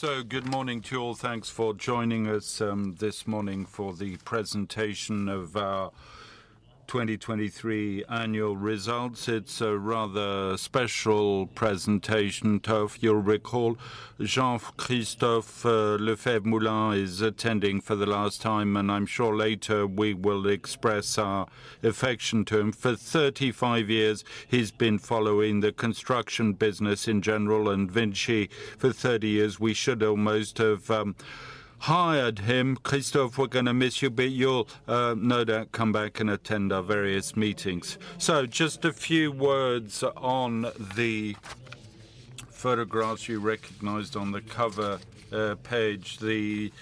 Good morning to you all. Thanks for joining us this morning for the presentation of our 2023 annual results. It's a rather special presentation. Though, you'll recall, Jean-Christophe Lefèvre-Moulenq is attending for the last time, and I'm sure later we will express our affection to him. For 35 years, he's been following the construction business in general, and VINCI for 30 years. We should almost have hired him. Christophe, we're gonna miss you, but you'll no doubt come back and attend our various meetings. Just a few words on the photographs you recognized on the cover page. The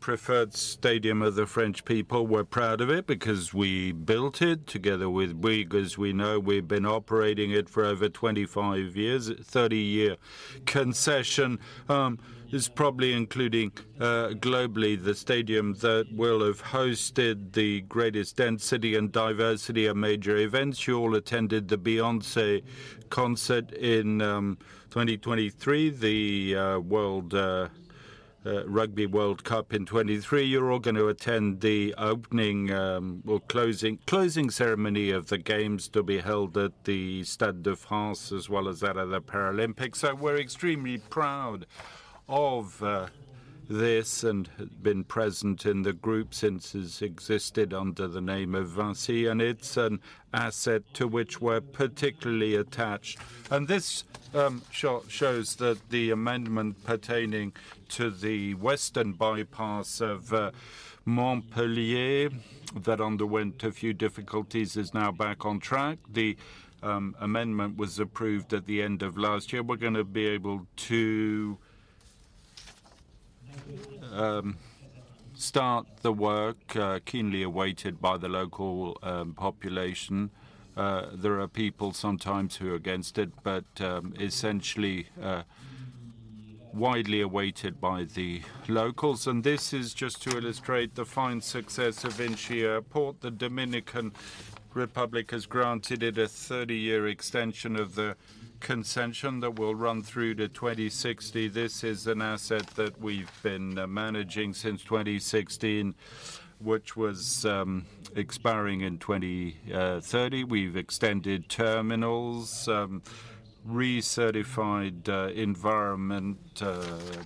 preferred stadium of the French people, we're proud of it because we built it together with we, because we know we've been operating it for over 25 years. Thirty-year concession is probably including, globally, the stadium that will have hosted the greatest density and diversity of major events. You all attended the Beyoncé concert in 2023, the World Rugby World Cup in 2023. You're all going to attend the opening or closing ceremony of the games to be held at the Stade de France, as well as that of the Paralympics. So we're extremely proud of this and has been present in the group since it's existed under the name of VINCI, and it's an asset to which we're particularly attached. This shows that the amendment pertaining to the western bypass of Montpellier, that underwent a few difficulties, is now back on track. The amendment was approved at the end of last year. We're gonna be able to start the work keenly awaited by the local population. There are people sometimes who are against it, but essentially widely awaited by the locals. And this is just to illustrate the fine success of VINCI Airports. The Dominican Republic has granted it a 30-year extension of the concession that will run through to 2060. This is an asset that we've been managing since 2016, which was expiring in 2030. We've extended terminals, recertified environment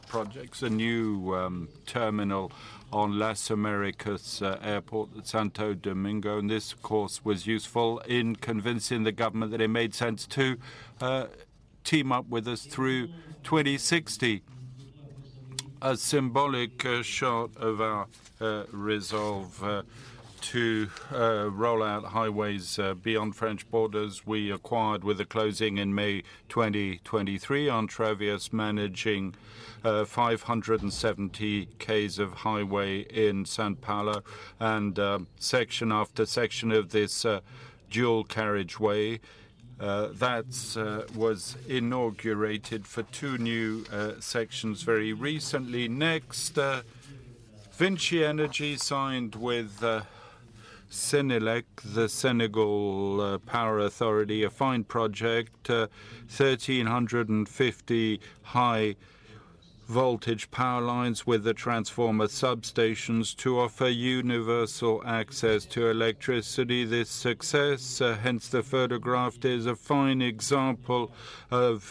projects, a new terminal on Las Americas Airport, Santo Domingo, and this, of course, was useful in convincing the government that it made sense to team up with us through 2060. A symbolic shot of our resolve to roll out highways beyond French borders. We acquired with the closing in May 2023, Entrevias, managing 570 km of highway in São Paulo, and section after section of this dual carriageway. That was inaugurated for 2 new sections very recently. Next, VINCI Energies signed with Senelec, the Senegal Power Authority, a fine project, 1,350 high voltage power lines with the transformer substations to offer universal access to electricity. This success, hence the photograph, is a fine example of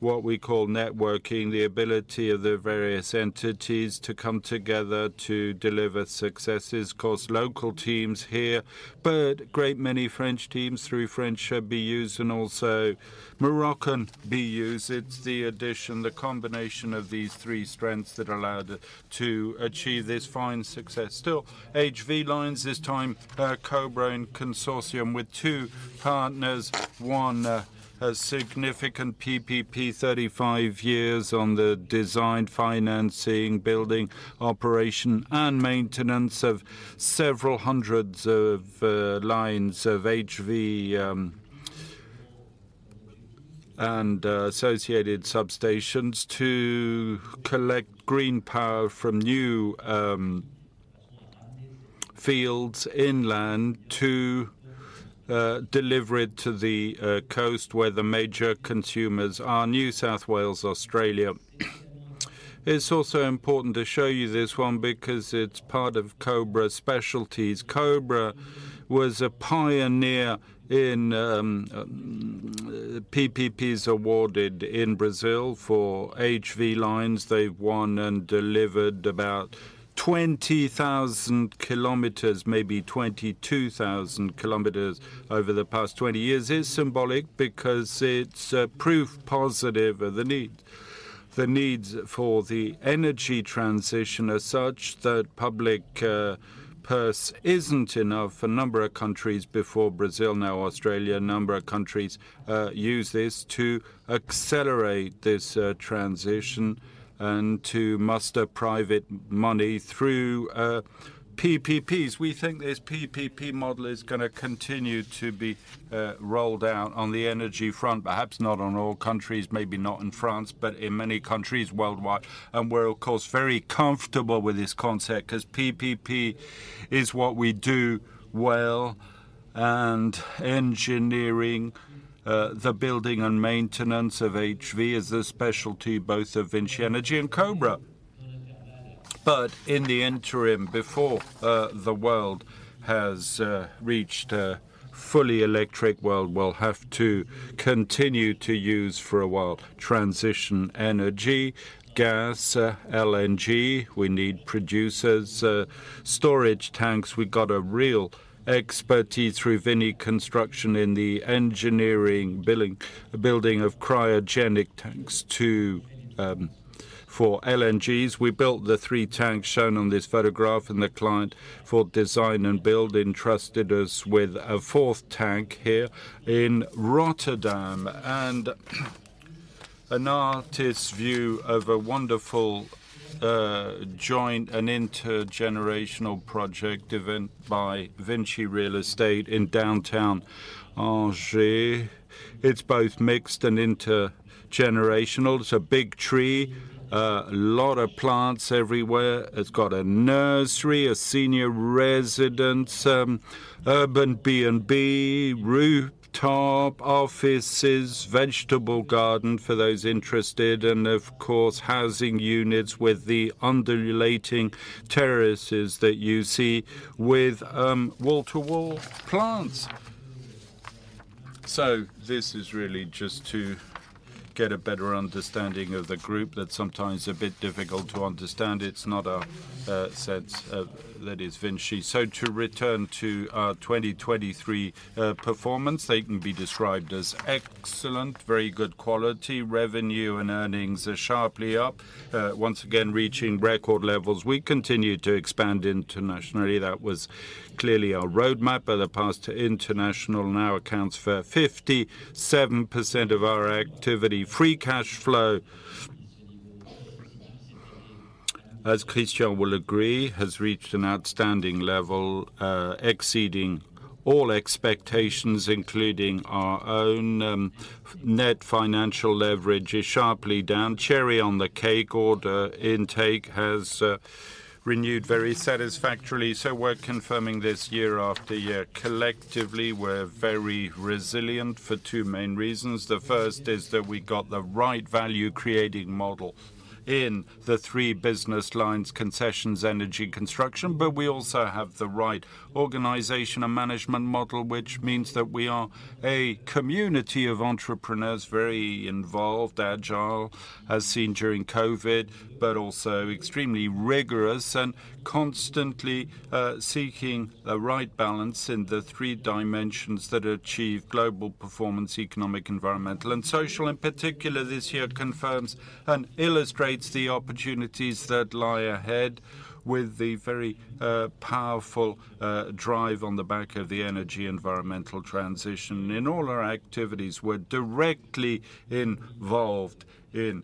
what we call networking, the ability of the various entities to come together to deliver successes. Of course, local teams here, but great many French teams through French BUs and also Moroccan BUs. It's the addition, the combination of these three strengths that allowed to achieve this fine success. Still, HV lines, this time, Cobra in consortium with two partners. One, a significant PPP, 35 years on the design, financing, building, operation, and maintenance of several hundreds of lines of HV, and associated substations to collect green power from new fields inland to deliver it to the coast where the major consumers are. New South Wales, Australia. It's also important to show you this one because it's part of Cobra Specialties. Cobra was a pioneer in PPPs awarded in Brazil for HV lines. They've won and delivered about 20,000 kilometers, maybe 22,000 kilometers, over the past 20 years. It's symbolic because it's proof positive of the need, the needs for the energy transition as such, that public purse isn't enough. A number of countries before Brazil, now Australia, a number of countries, use this to accelerate this transition and to muster private money through PPPs. We think this PPP model is gonna continue to be rolled out on the energy front, perhaps not on all countries, maybe not in France, but in many countries worldwide. And we're, of course, very comfortable with this concept 'cause PPP is what we do well, and engineering the building and maintenance of HV is a specialty both of VINCI Energies and Cobra. But in the interim, before the world has reached a fully electric world, we'll have to continue to use for a while transition energy, gas, LNG. We need producers, storage tanks. We've got a real expertise through VINCI Construction in the engineering, building, building of cryogenic tanks to for LNGs. We built the three tanks shown on this photograph, and the client for design and build entrusted us with a fourth tank here in Rotterdam. An artist's view of a wonderful, joint and intergenerational project developed by VINCI Real Estate in downtown Angers. It's both mixed and intergenerational. It's a big tree, a lot of plants everywhere. It's got a nursery, a senior residence, urban B&B, rooftop offices, vegetable garden for those interested, and of course, housing units with the undulating terraces that you see with, wall-to-wall plants. So this is really just to get a better understanding of the group that's sometimes a bit difficult to understand. It's not our sense, that is VINCI. So to return to our 2023 performance, they can be described as excellent, very good quality. Revenue and earnings are sharply up, once again, reaching record levels. We continued to expand internationally. That was clearly our roadmap, but the path to international now accounts for 57% of our activity. Free cash flow, as Christian will agree, has reached an outstanding level, exceeding all expectations, including our own. Net financial leverage is sharply down. Cherry on the cake, order intake has renewed very satisfactorily. So we're confirming this year after year. Collectively, we're very resilient for two main reasons. The first is that we got the right value-creating model in the three business lines: concessions, energy, construction. But we also have the right organization and management model, which means that we are a community of entrepreneurs, very involved, agile, as seen during COVID, but also extremely rigorous and constantly seeking the right balance in the three dimensions that achieve global performance, economic, environmental, and social. In particular, this year confirms and illustrates the opportunities that lie ahead with the very powerful drive on the back of the energy environmental transition. In all our activities, we're directly involved in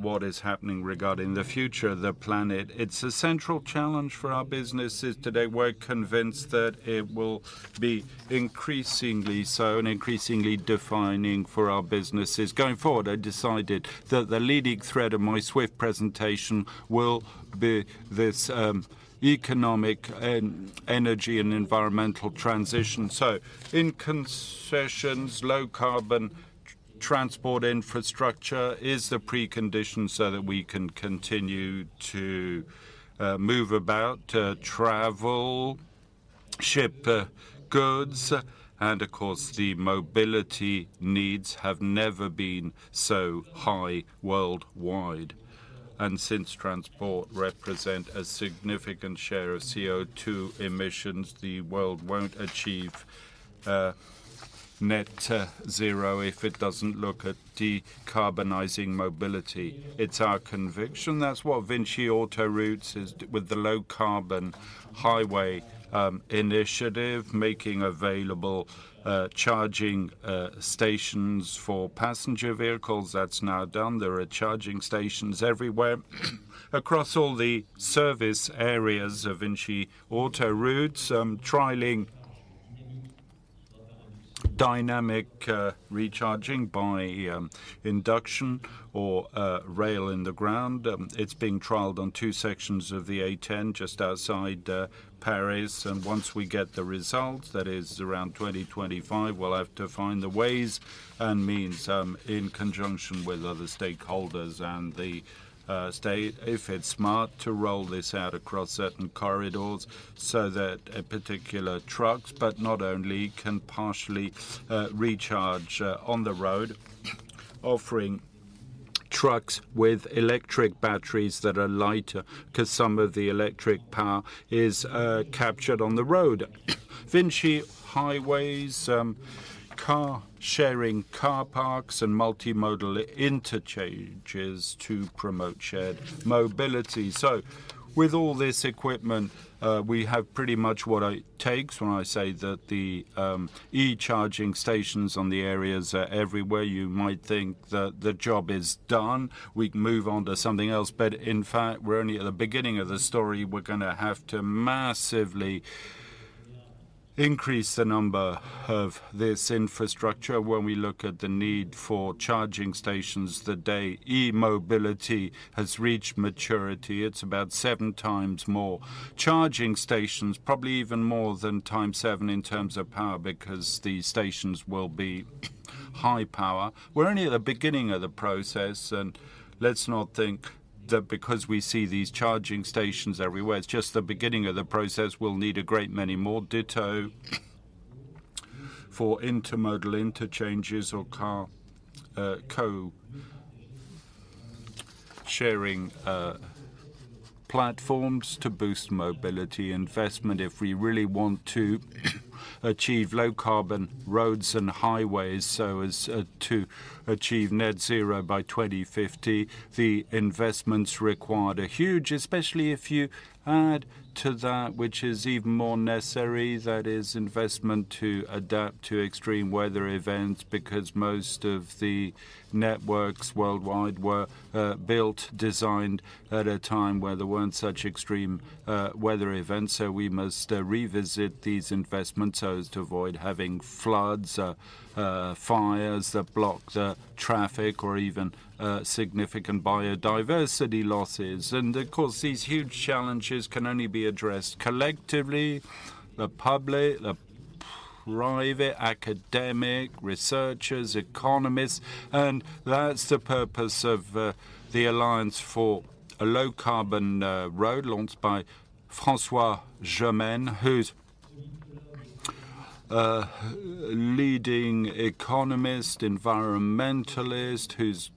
what is happening regarding the future of the planet. It's a central challenge for our businesses today. We're convinced that it will be increasingly so and increasingly defining for our businesses. Going forward, I decided that the leading thread of my swift presentation will be this economic and energy and environmental transition. So in concessions, low-carbon transport infrastructure is the precondition so that we can continue to move about, travel, ship goods, and of course, the mobility needs have never been so high worldwide. And since transport represents a significant share of CO₂ emissions, the world won't achieve net zero if it doesn't look at decarbonizing mobility. It's our conviction. That's what VINCI Autoroutes is with the low-carbon highway initiative, making available charging stations for passenger vehicles. That's now done. There are charging stations everywhere. Across all the service areas of VINCI Autoroutes, trialing dynamic recharging by induction or rail in the ground. It's being trialed on two sections of the A10, just outside Paris. And once we get the results, that is around 2025, we'll have to find the ways and means in conjunction with other stakeholders and the state, if it's smart, to roll this out across certain corridors so that a particular trucks, but not only, can partially recharge on the road, offering trucks with electric batteries that are lighter because some of the electric power is captured on the road. VINCI Highways, car sharing, car parks, and multimodal interchanges to promote shared mobility. So with all this equipment, we have pretty much what it takes. When I say that the e-charging stations on the areas are everywhere, you might think that the job is done, we can move on to something else, but in fact, we're only at the beginning of the story. We're gonna have to massively increase the number of this infrastructure. When we look at the need for charging stations, the day e-mobility has reached maturity, it's about seven times more charging stations, probably even more than times seven in terms of power, because the stations will be high power. We're only at the beginning of the process, and let's not think that because we see these charging stations everywhere, it's just the beginning of the process. We'll need a great many more. For intermodal interchanges or car-sharing platforms to boost mobility investment if we really want to achieve low-carbon roads and highways so as to achieve net zero by 2050. The investments required are huge, especially if you add to that which is even more necessary, that is investment to adapt to extreme weather events, because most of the networks worldwide were built, designed at a time where there weren't such extreme weather events. So we must revisit these investments so as to avoid having floods, fires that block the traffic or even significant biodiversity losses. And of course, these huge challenges can only be addressed collectively, the public, the private, academic, researchers, economists, and that's the purpose of the Alliance for a Low Carbon Road, launched by François Gemenne, who's a leading economist, environmentalist, who's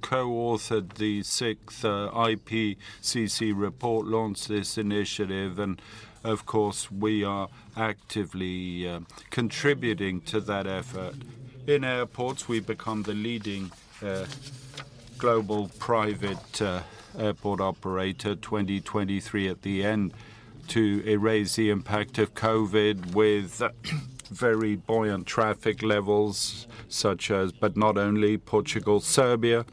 co-authored the sixth IPCC report, launched this initiative, and of course, we are actively contributing to that effort. In airports, we've become the leading global private airport operator, 2023 at the end, to erase the impact of COVID with very buoyant traffic levels, such as, but not only Portugal, Serbia.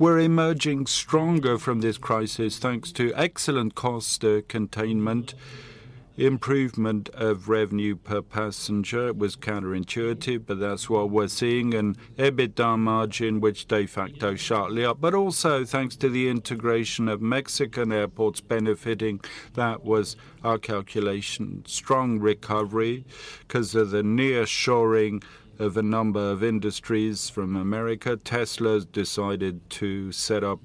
We're emerging stronger from this crisis, thanks to excellent cost containment, improvement of revenue per passenger. It was counterintuitive, but that's what we're seeing, an EBITDA margin, which de facto shot up. But also, thanks to the integration of Mexican airports benefiting, that was our calculation. Strong recovery 'cause of the nearshoring of a number of industries from America. Tesla has decided to set up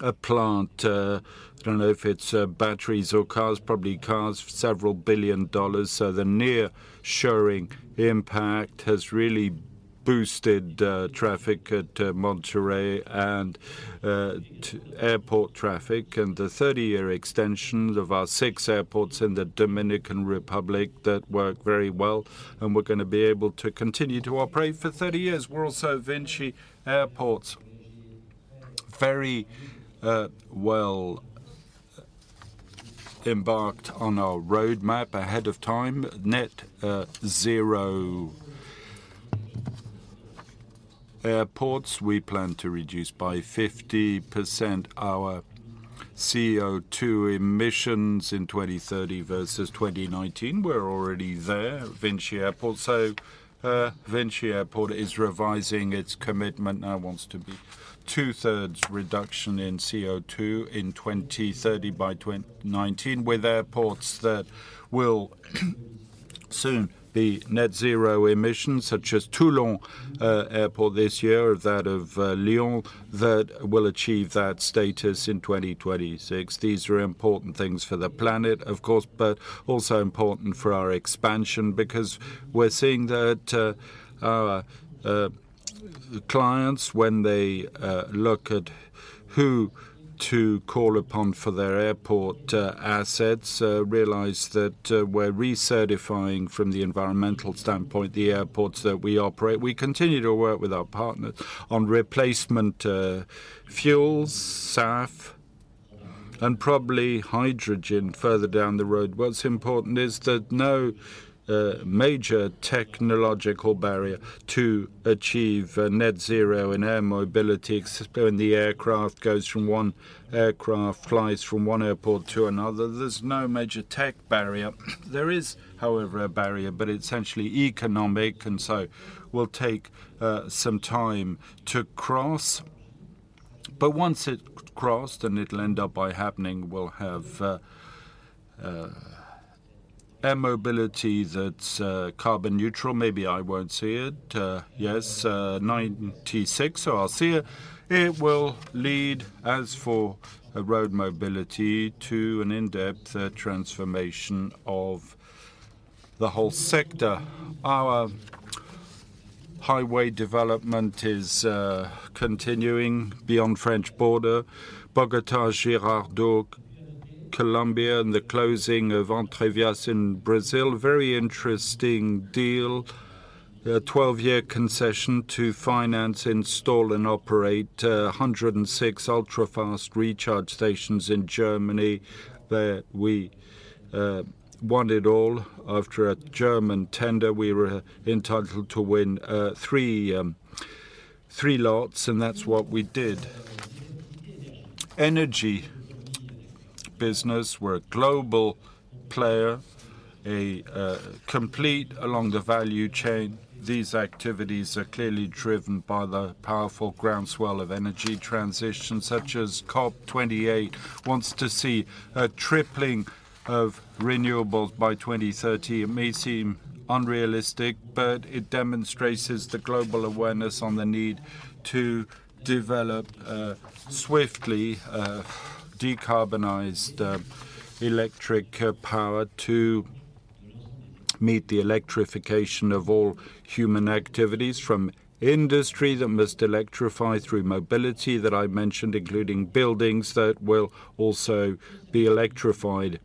a plant. I don't know if it's batteries or cars, probably cars, $ several billion. So the nearshoring impact has really boosted traffic at Monterrey and airport traffic, and the 30-year extensions of our 6 airports in the Dominican Republic that work very well, and we're gonna be able to continue to operate for 30 years. We're also VINCI Airports. Very well embarked on our roadmap ahead of time. Net zero airports, we plan to reduce by 50% our CO2 emissions in 2030 versus 2019. We're already there, VINCI Airports. VINCI Airports is revising its commitment, now wants to be two-thirds reduction in CO2 in 2030 by 2019, with airports that will soon be net zero emissions, such as Toulon Airport this year, or that of Lyon that will achieve that status in 2026. These are important things for the planet, of course, but also important for our expansion because we're seeing that our clients, when they look at who to call upon for their airport assets, realize that we're recertifying from the environmental standpoint the airports that we operate. We continue to work with our partners on replacement fuels, SAF, and probably hydrogen further down the road. What's important is that no major technological barrier to achieve net zero in air mobility, when the aircraft goes from one aircraft, flies from one airport to another, there's no major tech barrier. There is, however, a barrier, but it's essentially economic, and so will take some time to cross. But once it crossed, and it'll end up by happening, we'll have air mobility that's carbon neutral. Maybe I won't see it, yes, ninety-six, so I'll see it. It will lead, as for a road mobility, to an in-depth transformation of the whole sector. Our highway development is continuing beyond French border, Bogotá-Girardot, Colombia, and the closing of Entrevias in Brazil. Very interesting deal, a 12-year concession to finance, install, and operate 106 ultra-fast recharge stations in Germany, that we won it all. After a German tender, we were entitled to win three lots, and that's what we did. Energy business, we're a global player, complete along the value chain. These activities are clearly driven by the powerful groundswell of energy transition, such as COP 28 wants to see a tripling of renewables by 2030. It may seem unrealistic, but it demonstrates the global awareness on the need to develop swiftly decarbonized electric power to meet the electrification of all human activities, from industry that must electrify, through mobility that I mentioned, including buildings that will also be electrified.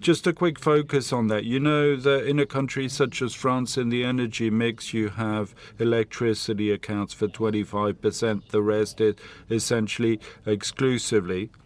Just a quick focus on that. You know that in a country such as France, in the energy mix, you have electricity accounts for 25%, the rest is essentially exclusively that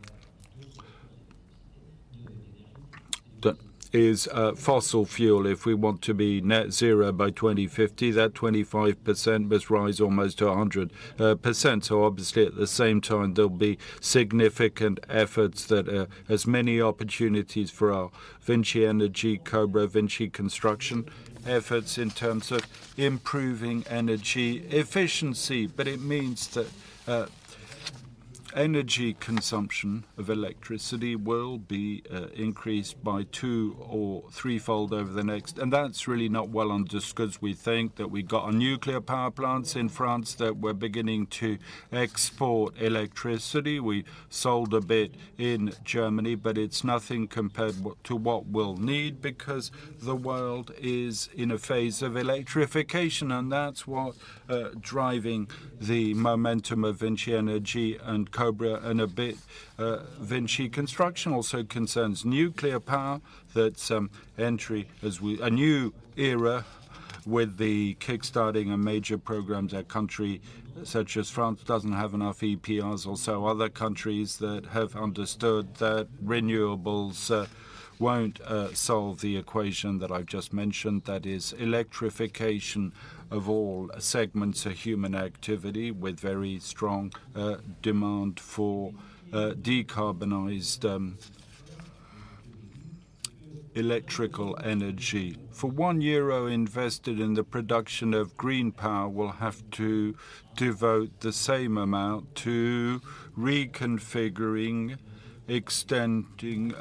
is, fossil fuel. If we want to be net zero by 2050, that 25% must rise almost to 100%. So obviously, at the same time, there'll be significant efforts that, as many opportunities for our VINCI Energies, Cobra, VINCI Construction efforts in terms of improving energy efficiency. But it means that, energy consumption of electricity will be, increased by two- or threefold over the next... And that's really not well understood. We think that we got our nuclear power plants in France that we're beginning to export electricity. We sold a bit in Germany, but it's nothing compared to what we'll need because the world is in a phase of electrification, and that's what driving the momentum of VINCI Energies and Cobra and a bit, VINCI Construction. also concerns nuclear power, that some countries are entering a new era with the kickstarting of a major program that countries such as France don't have enough EPRs or so other countries that have understood that renewables won't solve the equation that I've just mentioned. That is electrification of all segments of human activity, with very strong demand for decarbonized electrical energy. For 1 euro invested in the production of green power, we'll have to devote the same amount to reconfiguring, extending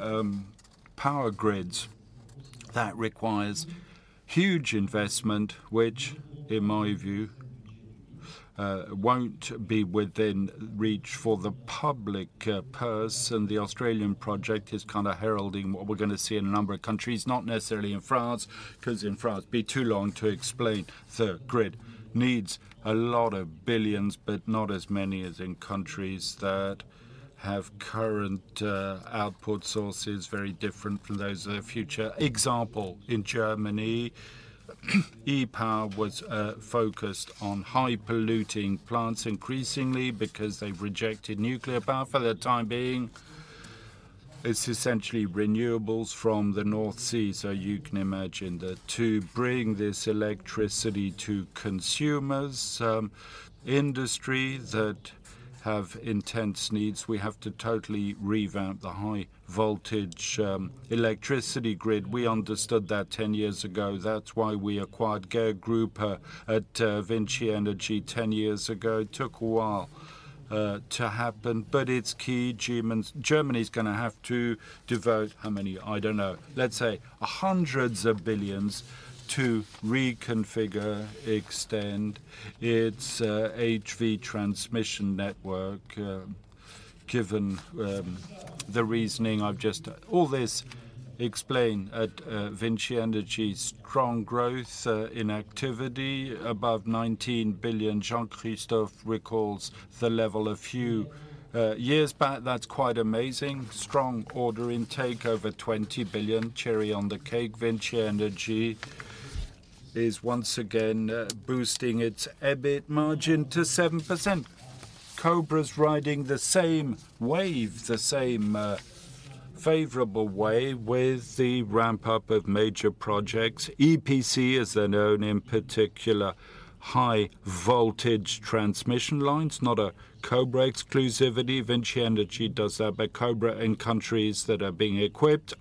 power grids. That requires huge investment, which, in my view, won't be within reach for the public purse. The Australian project is kind of heralding what we're gonna see in a number of countries, not necessarily in France, 'cause in France it'd be too long to explain. The grid needs a lot of billions EUR, but not as many as in countries that have current, output sources, very different from those of the future. Example, in Germany, E.ON was, focused on high-polluting plants increasingly because they've rejected nuclear power for the time being. It's essentially renewables from the North Sea, so you can imagine that to bring this electricity to consumers, industry that have intense needs, we have to totally revamp the high voltage, electricity grid. We understood that 10 years ago. That's why we acquired Cegelec Group at, VINCI Energies 10 years ago. Took a while, to happen, but it's key. Germany's gonna have to devote how many? I don't know. Let's say, hundreds of billions EUR to reconfigure, extend its, HV transmission network, given, the reasoning I've just... All this explains VINCI Energies' strong growth in activity, above 19 billion. Jean-Christophe recalls the level a few years back. That's quite amazing. Strong order intake, over 20 billion. Cherry on the cake, VINCI Energies is once again boosting its EBIT margin to 7%. Cobra's riding the same wave, the same favorable way with the ramp-up of major projects. EPC, as they're known, in particular, high voltage transmission lines, not a Cobra exclusivity. VINCI Energies does that, but Cobra in countries that are being equipped,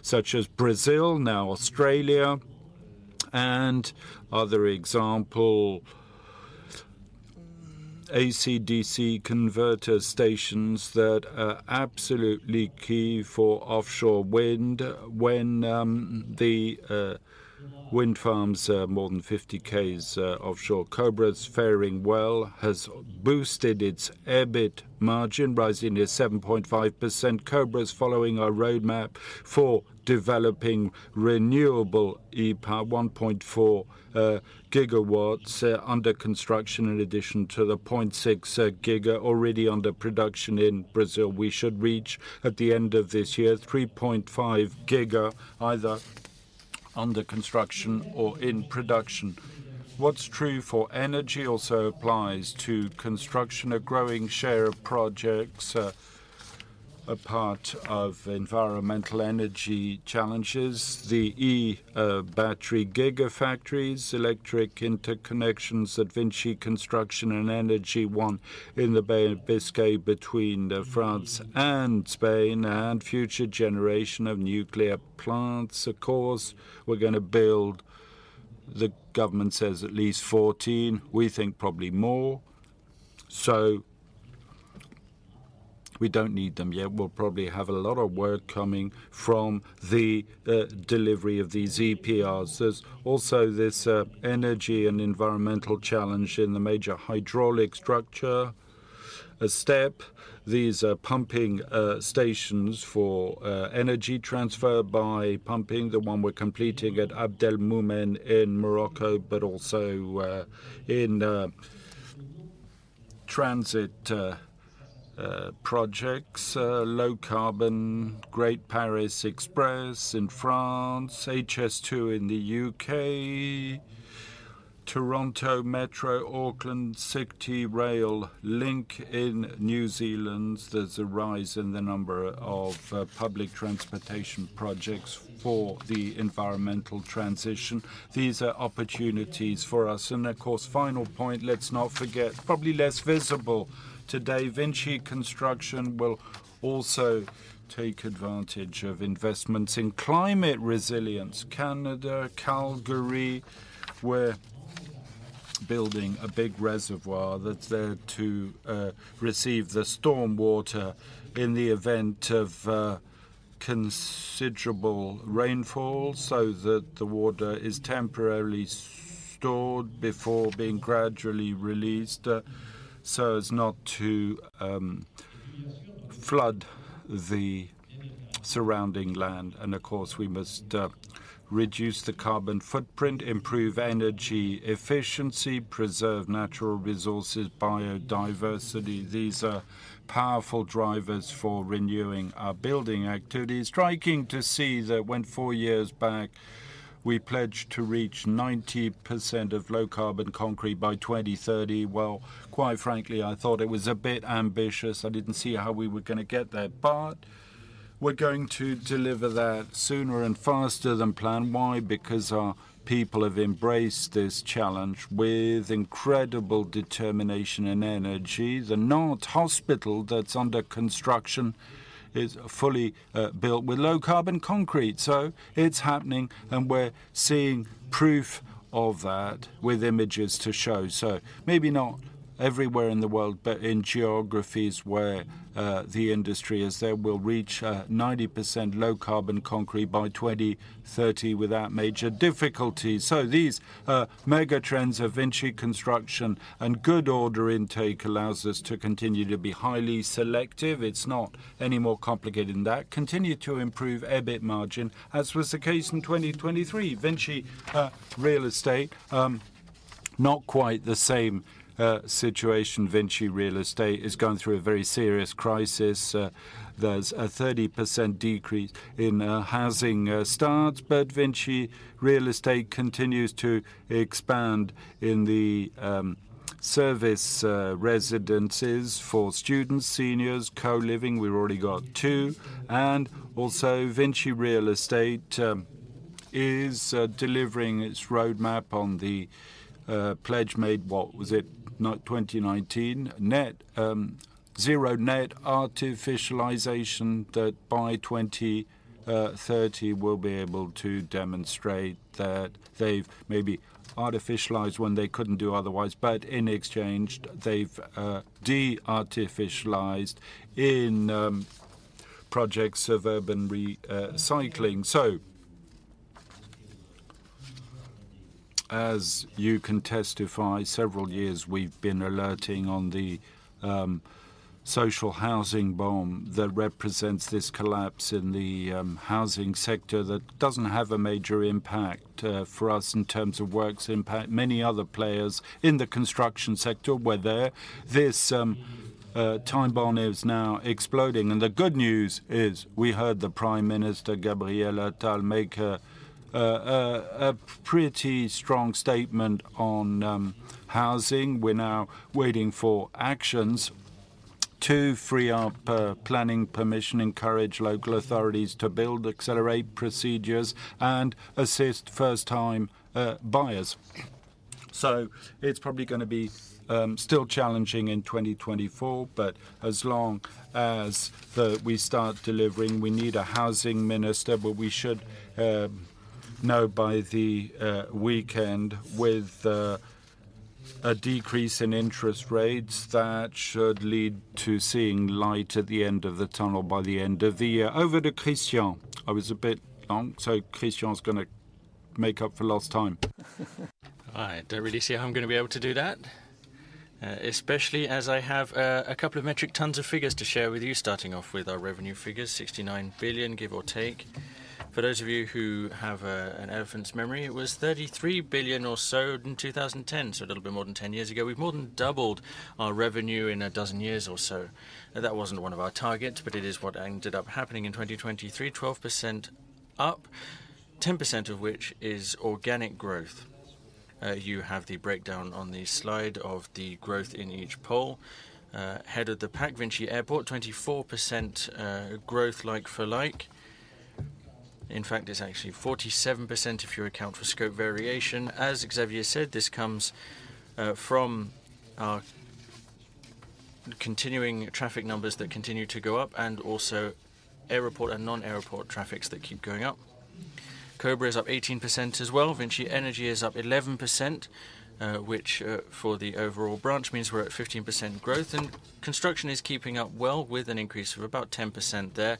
such as Brazil, now Australia, and other example, AC/DC converter stations that are absolutely key for offshore wind. When the wind farms are more than 50 Ks offshore, Cobra's faring well, has boosted its EBIT margin, rising to 7.5%. Cobra's following our roadmap for developing renewable E.Power, 1.4 gigawatts under construction, in addition to the 0.6 giga already under production in Brazil. We should reach, at the end of this year, 3.5 giga, either under construction or in production. What's true for energy also applies to construction. A growing share of projects are a part of environmental energy challenges. The EV battery gigafactories, electric interconnections at VINCI Construction and Energy one in the Bay of Biscay between France and Spain, and future generation of nuclear plants. Of course, we're gonna build, the government says, at least 14. We think probably more. So we don't need them yet. We'll probably have a lot of work coming from the delivery of these EPRs. There's also this energy and environmental challenge in the major hydraulic structure, a STEP, these pumping stations for energy transfer by pumping, the one we're completing at Abdelmoumen in Morocco, but also in transit projects, low-carbon Grand Paris Express in France, HS2 in the UK, Toronto Metro, Auckland City Rail Link in New Zealand. There's a rise in the number of public transportation projects for the environmental transition. These are opportunities for us. And of course, final point, let's not forget, probably less visible today, VINCI Construction will also take advantage of investments in climate resilience. Canada, Calgary, we're building a big reservoir that's there to receive the storm water in the event of considerable rainfall, so that the water is temporarily stored before being gradually released, so as not to flood the surrounding land. Of course, we must reduce the carbon footprint, improve energy efficiency, preserve natural resources, biodiversity. These are powerful drivers for renewing our building activities. Striking to see that when 4 years back, we pledged to reach 90% of low-carbon concrete by 2030. Well, quite frankly, I thought it was a bit ambitious. I didn't see how we were gonna get there. But we're going to deliver that sooner and faster than planned. Why? Because our people have embraced this challenge with incredible determination and energy. The Nantes Hospital that's under construction is fully built with low-carbon concrete, so it's happening, and we're seeing proof of that with images to show. So maybe not everywhere in the world, but in geographies where the industry is there, we'll reach 90% low-carbon concrete by 2030 without major difficulty. So these mega trends of VINCI Construction and good order intake allows us to continue to be highly selective. It's not any more complicated than that. Continue to improve EBIT margin, as was the case in 2023. VINCI Real Estate not quite the same situation. VINCI Real Estate is going through a very serious crisis. There's a 30% decrease in housing starts, but VINCI Real Estate continues to expand in the service residences for students, seniors, co-living. We've already got two. And also, VINCI Real Estate is delivering its roadmap on the pledge made, what was it? Not 2019. Net zero net artificialization, that by 2030, we'll be able to demonstrate that they've maybe artificialized when they couldn't do otherwise, but in exchange, they've de-artificialized in projects of urban recycling. So, as you can testify, several years we've been alerting on the social housing bomb that represents this collapse in the housing sector that doesn't have a major impact for us in terms of works impact. Many other players in the construction sector were there. This time bomb is now exploding, and the good news is, we heard the Prime Minister, Gabriel Attal, a pretty strong statement on housing. We're now waiting for actions to free up planning permission, encourage local authorities to build, accelerate procedures, and assist first-time buyers. So it's probably gonna be still challenging in 2024, but as long as we start delivering, we need a housing minister, but we should know by the weekend with a decrease in interest rates, that should lead to seeing light at the end of the tunnel by the end of the year. Over to Christian. I was a bit long, so Christian's gonna make up for lost time. I don't really see how I'm gonna be able to do that, especially as I have a couple of metric tons of figures to share with you, starting off with our revenue figures, 69 billion, give or take. For those of you who have an elephant's memory, it was 33 billion or so in 2010, so a little bit more than 10 years ago. We've more than doubled our revenue in a dozen years or so. That wasn't one of our targets, but it is what ended up happening in 2023, 12% up, 10% of which is organic growth. You have the breakdown on the slide of the growth in each pool. Head of the pack, VINCI Airports, 24% growth, like for like. In fact, it's actually 47% if you account for scope variation. As Xavier said, this comes from our continuing traffic numbers that continue to go up, and also airport and non-airport traffics that keep going up. Cobra is up 18% as well. VINCI Energies is up 11%, which, for the overall branch, means we're at 15% growth. Construction is keeping up well with an increase of about 10% there.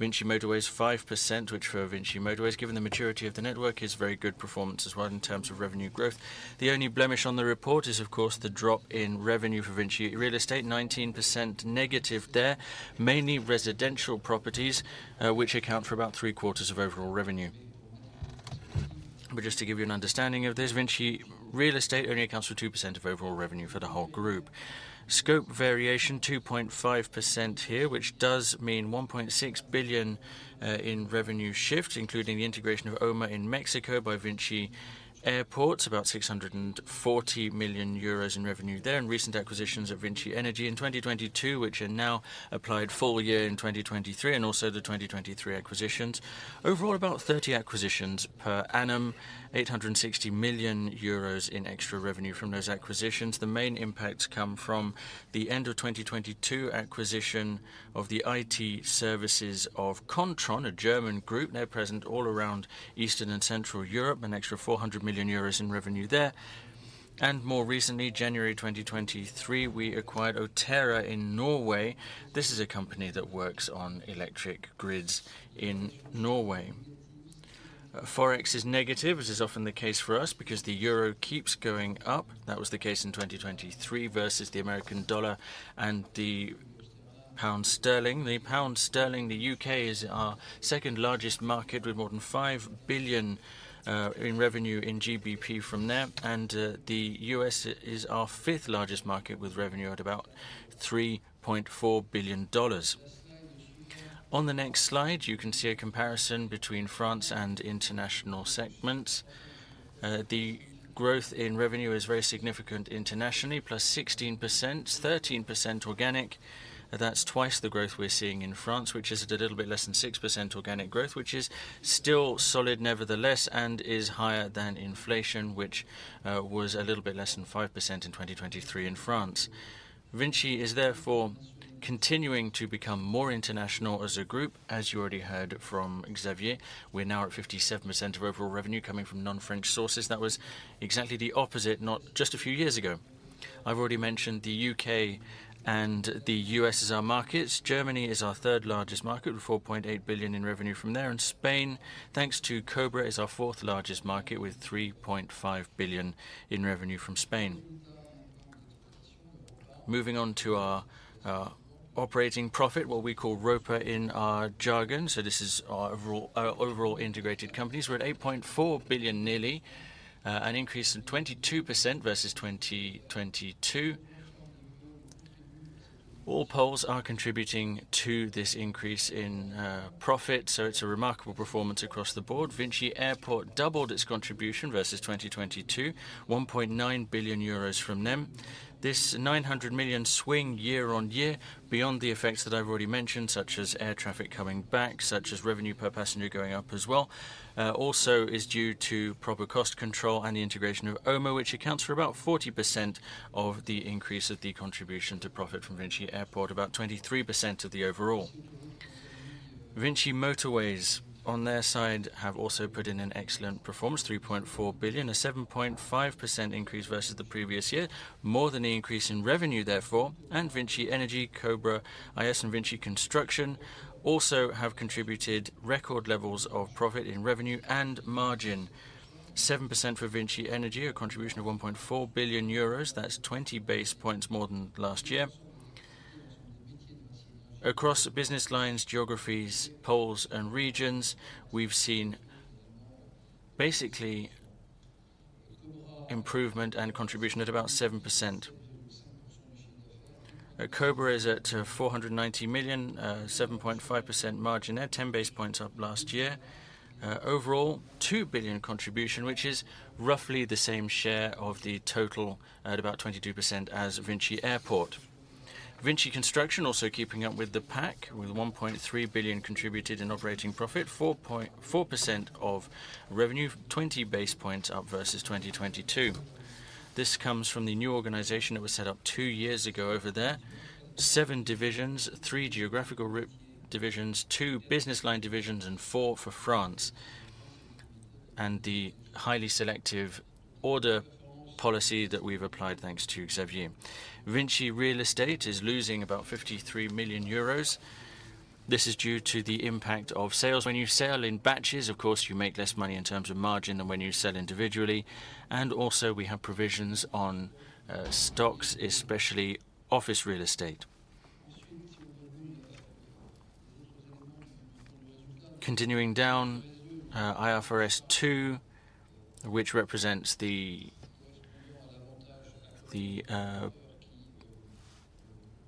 VINCI Motorways, 5%, which for VINCI Motorways, given the maturity of the network, is very good performance as well in terms of revenue growth. The only blemish on the report is, of course, the drop in revenue for VINCI Real Estate, 19% negative there, mainly residential properties, which account for about three-quarters of overall revenue. But just to give you an understanding of this, VINCI Real Estate only accounts for 2% of overall revenue for the whole group. Scope variation, 2.5% here, which does mean 1.6 billion in revenue shift, including the integration of OMA in Mexico by VINCI Airports, about 640 million euros in revenue there, and recent acquisitions of VINCI Energies in 2022, which are now applied full year in 2023, and also the 2023 acquisitions. Overall, about 30 acquisitions per annum, 860 million euros in extra revenue from those acquisitions. The main impacts come from the end of 2022 acquisition of the IT services of Kontron, a German group now present all around Eastern and Central Europe, an extra 400 million euros in revenue there. And more recently, January 2023, we acquired Otera in Norway. This is a company that works on electric grids in Norway. Forex is negative, which is often the case for us because the euro keeps going up. That was the case in 2023 versus the American dollar and the pound sterling. The pound sterling, the U.K., is our second-largest market, with more than 5 billion GBP in revenue from there, and the U.S. is our fifth-largest market, with revenue at about $3.4 billion. On the next slide, you can see a comparison between France and international segments. The growth in revenue is very significant internationally, +16%, 13% organic. That's twice the growth we're seeing in France, which is at a little bit less than 6% organic growth, which is still solid nevertheless and is higher than inflation, which was a little bit less than 5% in 2023 in France. VINCI is therefore continuing to become more international as a group. As you already heard from Xavier, we're now at 57% of overall revenue coming from non-French sources. That was exactly the opposite, not just a few years ago. I've already mentioned the U.K. and the U.S. as our markets. Germany is our third largest market, with 4.8 billion in revenue from there, and Spain, thanks to Cobra, is our fourth largest market, with 3.5 billion in revenue from Spain. Moving on to our operating profit, what we call ROPA in our jargon. So this is our overall, our overall integrated companies. We're at 8.4 billion, nearly, an increase of 22% versus 2022. All poles are contributing to this increase in profit, so it's a remarkable performance across the board. VINCI Airports doubled its contribution versus 2022, 1.9 billion euros from them. This 900 million swing year on year beyond the effects that I've already mentioned, such as air traffic coming back, such as revenue per passenger going up as well, also is due to proper cost control and the integration of OMA, which accounts for about 40% of the increase of the contribution to profit from VINCI Airports, about 23% of the overall. VINCI Autoroutes, on their side, have also put in an excellent performance, 3.4 billion, a 7.5% increase versus the previous year, more than the increase in revenue therefore, and VINCI Energies, Cobra IS and VINCI Construction also have contributed record levels of profit in revenue and margin. 7% for VINCI Energies, a contribution of 1.4 billion euros. That's 20 basis points more than last year. Across business lines, geographies, poles, and regions, we've seen basically improvement and contribution at about 7%. Cobra is at 490 million, 7.5% margin, net 10 basis points up last year. Overall, 2 billion contribution, which is roughly the same share of the total at about 22% as VINCI Airport. VINCI Construction also keeping up with the pack, with 1.3 billion contributed in operating profit, 4.4% of revenue, 20 basis points up versus 2022. This comes from the new organization that was set up two years ago over there. Seven divisions, three geographical re-divisions, two business line divisions, and four for France, and the highly selective order policy that we've applied, thanks to Xavier. VINCI Real Estate is losing about 53 million euros. This is due to the impact of sales. When you sell in batches, of course, you make less money in terms of margin than when you sell individually, and also, we have provisions on stocks, especially office real estate. Continuing down, IFRS 2, which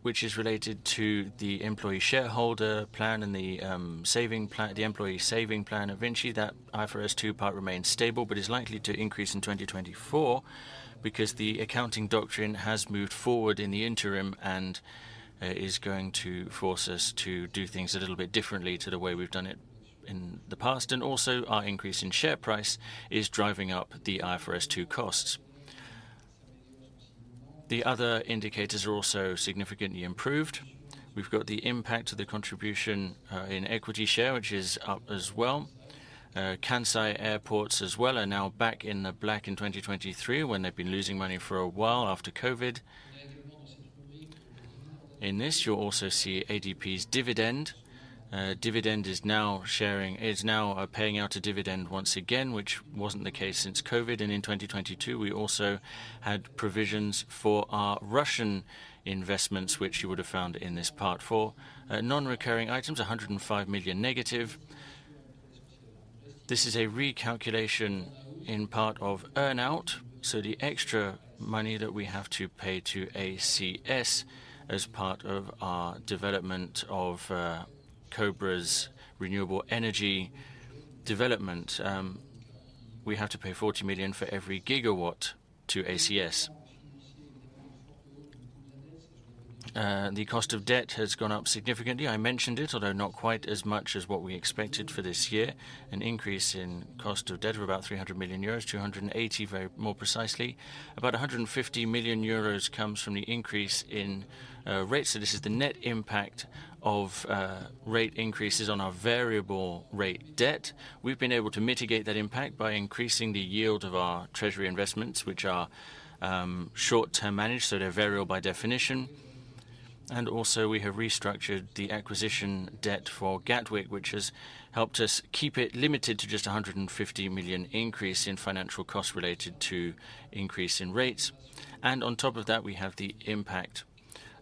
is related to the employee shareholder plan and the saving plan, the employee saving plan of VINCI. That IFRS 2 part remains stable, but is likely to increase in 2024, because the accounting doctrine has moved forward in the interim and is going to force us to do things a little bit differently to the way we've done it in the past. And also, our increase in share price is driving up the IFRS 2 costs. The other indicators are also significantly improved. We've got the impact of the contribution in equity share, which is up as well. Kansai Airports as well are now back in the black in 2023, when they've been losing money for a while after COVID. In this, you'll also see ADP's dividend. Dividend is now paying out a dividend once again, which wasn't the case since COVID, and in 2022, we also had provisions for our Russian investments, which you would have found in this Part 4. Non-recurring items, 105 million negative. This is a recalculation in part of earn-out, so the extra money that we have to pay to ACS as part of our development of Cobra's renewable energy development. We have to pay 40 million for every gigawatt to ACS. The cost of debt has gone up significantly. I mentioned it, although not quite as much as what we expected for this year. An increase in cost of debt of about 300 million euros, 280, very more precisely. About 150 million euros comes from the increase in rates. So this is the net impact of rate increases on our variable rate debt. We've been able to mitigate that impact by increasing the yield of our treasury investments, which are short-term managed, so they're variable by definition. And also, we have restructured the acquisition debt for Gatwick, which has helped us keep it limited to just 150 million increase in financial costs related to increase in rates. On top of that, we have the impact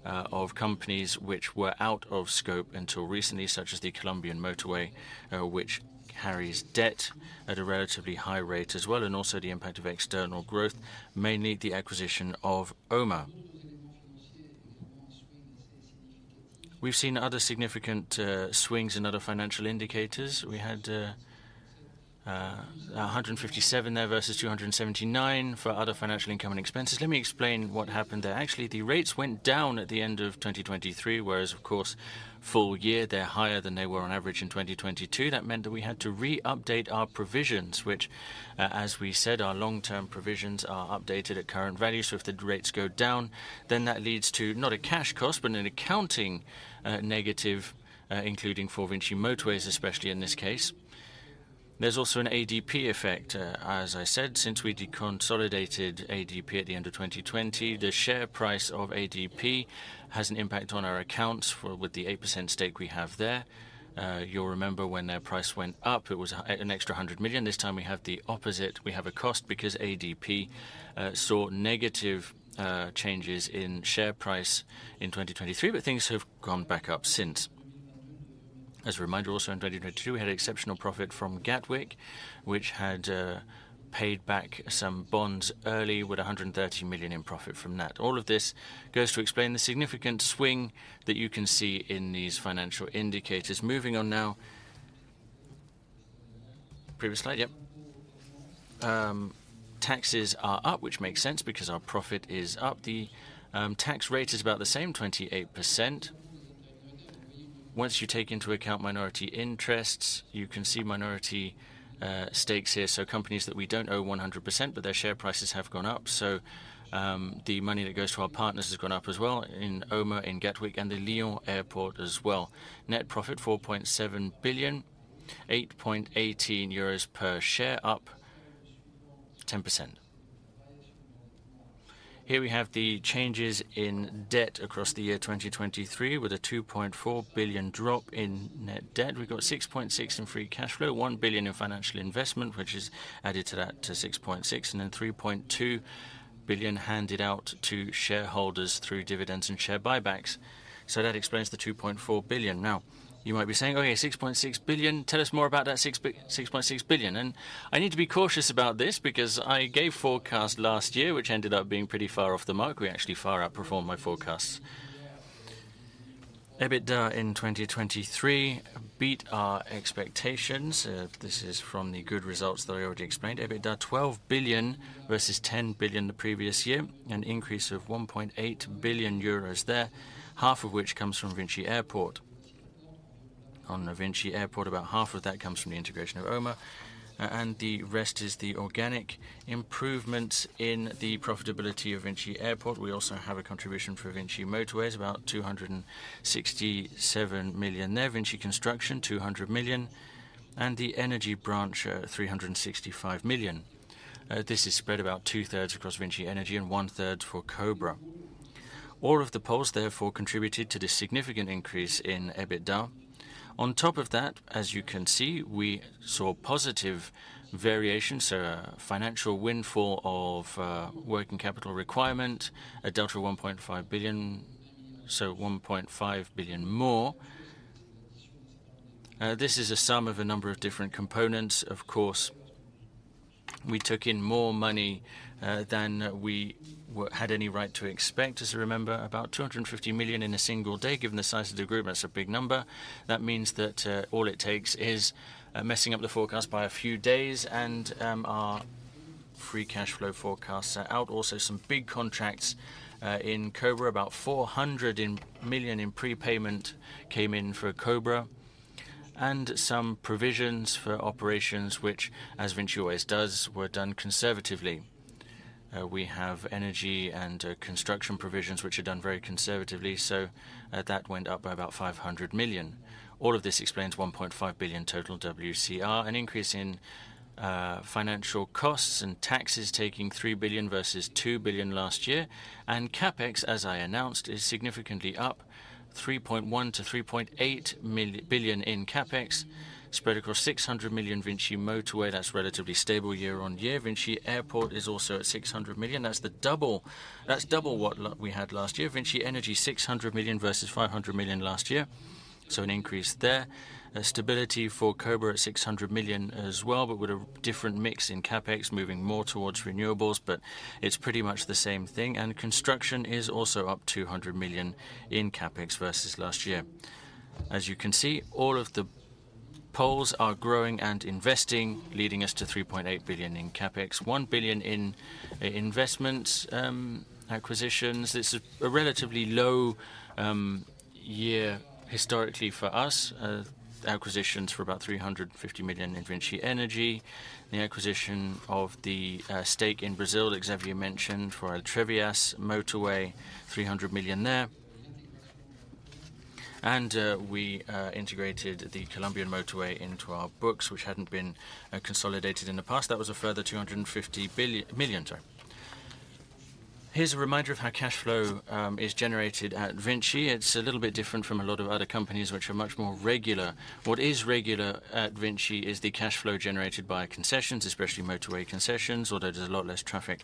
of companies which were out of scope until recently, such as the Colombian motorway, which carries debt at a relatively high rate as well, and also the impact of external growth, mainly the acquisition of OMA. We've seen other significant swings in other financial indicators. We had 157 there versus 279 for other financial income and expenses. Let me explain what happened there. Actually, the rates went down at the end of 2023, whereas, of course, full year, they're higher than they were on average in 2022. That meant that we had to re-update our provisions, which, as we said, our long-term provisions are updated at current values. So if the rates go down, then that leads to not a cash cost, but an accounting negative, including for VINCI Autoroutes, especially in this case. There's also an ADP effect, as I said, since we deconsolidated ADP at the end of 2020, the share price of ADP has an impact on our accounts for with the 8% stake we have there. You'll remember when their price went up, it was an extra 100 million. This time we have the opposite. We have a cost because ADP saw negative changes in share price in 2023, but things have gone back up since. As a reminder, also in 2022, we had exceptional profit from Gatwick, which had paid back some bonds early with 130 million in profit from that. All of this goes to explain the significant swing that you can see in these financial indicators. Moving on now. Previous slide, yep. Taxes are up, which makes sense because our profit is up. The tax rate is about the same, 28%. Once you take into account minority interests, you can see minority stakes here, so companies that we don't own 100%, but their share prices have gone up. So, the money that goes to our partners has gone up as well in OMA, in Gatwick, and the Lyon Airport as well. Net profit, 4.7 billion, 8.18 euros per share, up 10%. Here we have the changes in debt across the year 2023, with a 2.4 billion drop in net debt. We've got 6.6 billion in free cash flow, 1 billion in financial investment, which is added to that, to 6.6, and then 3.2 billion handed out to shareholders through dividends and share buybacks. So that explains the 2.4 billion. Now, you might be saying, "Okay, 6.6 billion. Tell us more about that six bi- 6.6 billion." And I need to be cautious about this because I gave forecast last year, which ended up being pretty far off the mark. We actually far outperformed my forecasts. EBITDA in 2023 beat our expectations. This is from the good results that I already explained. EBITDA, 12 billion versus 10 billion the previous year, an increase of 1.8 billion euros there, half of which comes from VINCI Airports. On VINCI Airports, about half of that comes from the integration of OMA, and the rest is the organic improvement in the profitability of VINCI Airports. We also have a contribution for VINCI Motorways, about 267 million there. VINCI Construction, 200 million, and the energy branch, 365 million. This is spread about two-thirds across VINCI Energies and one-third for Cobra. All of the poles, therefore, contributed to this significant increase in EBITDA. On top of that, as you can see, we saw positive variation, so a financial windfall of working capital requirement, a delta 1.5 billion, so 1.5 billion more. This is a sum of a number of different components. Of course, we took in more money than we had any right to expect. As you remember, about 250 million in a single day. Given the size of the group, that's a big number. That means that all it takes is messing up the forecast by a few days, and our free cash flow forecasts are out. Also, some big contracts in Cobra, about 400 million in prepayment came in for Cobra, and some provisions for operations which, as VINCI always does, were done conservatively. We have energy and construction provisions, which are done very conservatively, so that went up by about 500 million. All of this explains 1.5 billion total WCR, an increase in financial costs and taxes, taking 3 billion versus 2 billion last year. CapEx, as I announced, is significantly up, 3.1 billion-3.8 billion in CapEx, spread across 600 million VINCI Motorway. That's relatively stable year on year. VINCI Airport is also at 600 million. That's double what we had last year. VINCI Energy, 600 million versus 500 million last year. So an increase there. A stability for Cobra at 600 million as well, but with a different mix in CapEx, moving more towards renewables, but it's pretty much the same thing. And construction is also up 200 million in CapEx versus last year. As you can see, all of the poles are growing and investing, leading us to 3.8 billion in CapEx. 1 billion in investment, acquisitions. It's a relatively low year historically for us. Acquisitions were about 350 million in VINCI Energies. The acquisition of the stake in Brazil, as Xavier mentioned, for our Entrevias motorway, 300 million there. And we integrated the Colombian motorway into our books, which hadn't been consolidated in the past. That was a further 250 million, sorry. Here's a reminder of how cash flow is generated at VINCI. It's a little bit different from a lot of other companies, which are much more regular. What is regular at VINCI is the cash flow generated by concessions, especially motorway concessions. Although there's a lot less traffic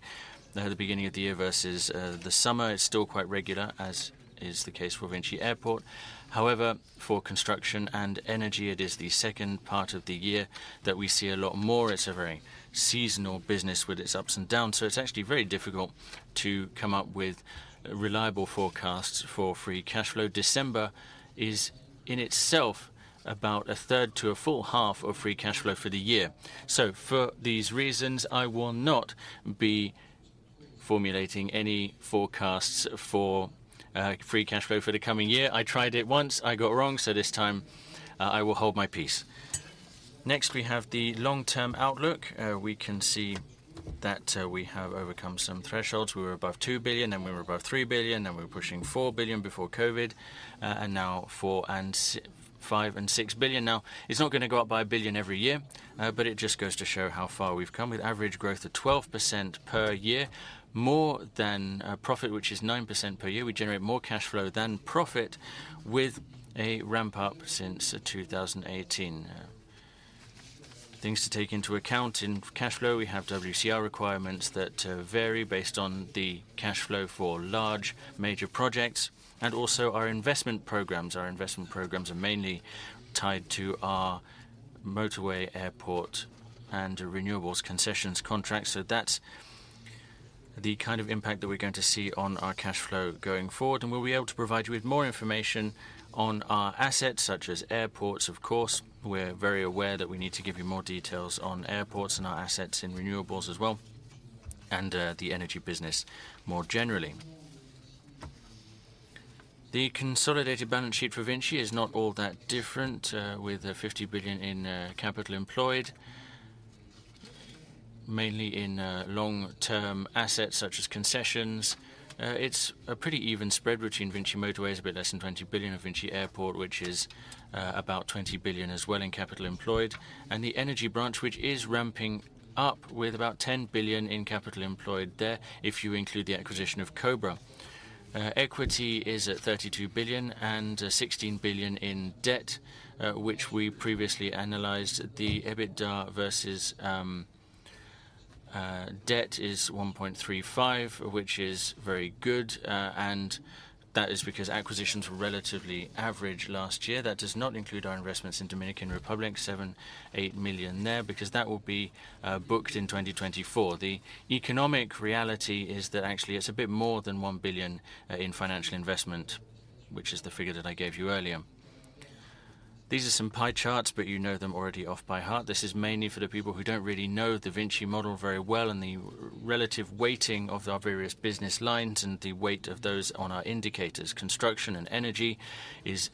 at the beginning of the year versus the summer, it's still quite regular, as is the case for VINCI Airports. However, for construction and energy, it is the second part of the year that we see a lot more. It's a very seasonal business with its ups and downs, so it's actually very difficult to come up with reliable forecasts for free cash flow. December is, in itself, about a third to a full half of free cash flow for the year. So for these reasons, I will not be formulating any forecasts for free cash flow for the coming year. I tried it once, I got it wrong, so this time I will hold my peace. Next, we have the long-term outlook. We can see that we have overcome some thresholds. We were above 2 billion, then we were above 3 billion, then we were pushing 4 billion before COVID, and now 4 billion, 5 billion, and 6 billion. Now, it's not gonna go up by 1 billion every year, but it just goes to show how far we've come, with average growth of 12% per year, more than, profit, which is 9% per year. We generate more cash flow than profit with a ramp up since 2018. Things to take into account in cash flow, we have WCR requirements that vary based on the cash flow for large, major projects, and also our investment programs. Our investment programs are mainly tied to our motorway, airport, and renewables concessions contracts, so that's the kind of impact that we're going to see on our cash flow going forward. And we'll be able to provide you with more information on our assets, such as airports, of course. We're very aware that we need to give you more details on airports and our assets in renewables as well, and the energy business more generally. The consolidated balance sheet for VINCI is not all that different, with 50 billion in capital employed, mainly in long-term assets such as concessions. It's a pretty even spread between VINCI Motorways, a bit less than 20 billion, and VINCI Airport, which is about 20 billion as well in capital employed. And the energy branch, which is ramping up with about 10 billion in capital employed there, if you include the acquisition of Cobra. Equity is at 32 billion and 16 billion in debt, which we previously analyzed. The EBITDA versus debt is 1.35, which is very good, and that is because acquisitions were relatively average last year. That does not include our investments in Dominican Republic, 7-8 million there, because that will be booked in 2024. The economic reality is that actually, it's a bit more than 1 billion in financial investment, which is the figure that I gave you earlier. These are some pie charts, but you know them already off by heart. This is mainly for the people who don't really know the VINCI model very well and the relative weighting of our various business lines and the weight of those on our indicators. Construction and energy is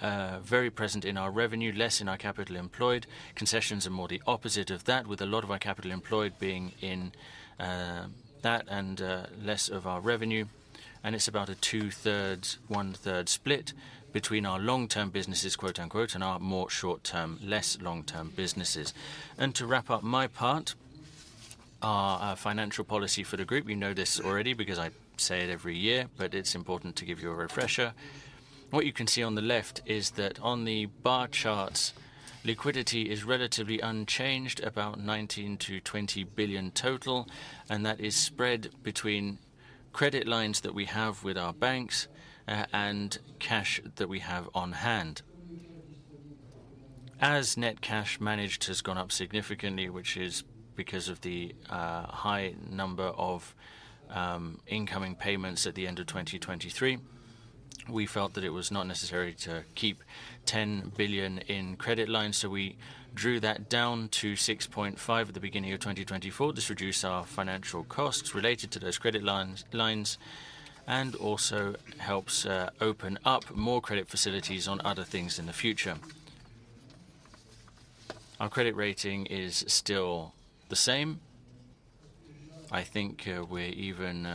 very present in our revenue, less in our capital employed. Concessions are more the opposite of that, with a lot of our capital employed being in that and less of our revenue. It's about a 2/3, 1/3 split between our "long-term businesses," quote-unquote, and our more short-term, less long-term businesses. To wrap up my part, our financial policy for the group, you know this already because I say it every year, but it's important to give you a refresher. What you can see on the left is that on the bar charts, liquidity is relatively unchanged, about 19-20 billion total, and that is spread between credit lines that we have with our banks, and cash that we have on hand. As net cash managed has gone up significantly, which is because of the high number of incoming payments at the end of 2023, we felt that it was not necessary to keep 10 billion in credit lines, so we drew that down to 6.5 billion at the beginning of 2024. This reduced our financial costs related to those credit lines and also helps open up more credit facilities on other things in the future. Our credit rating is still the same. I think we're even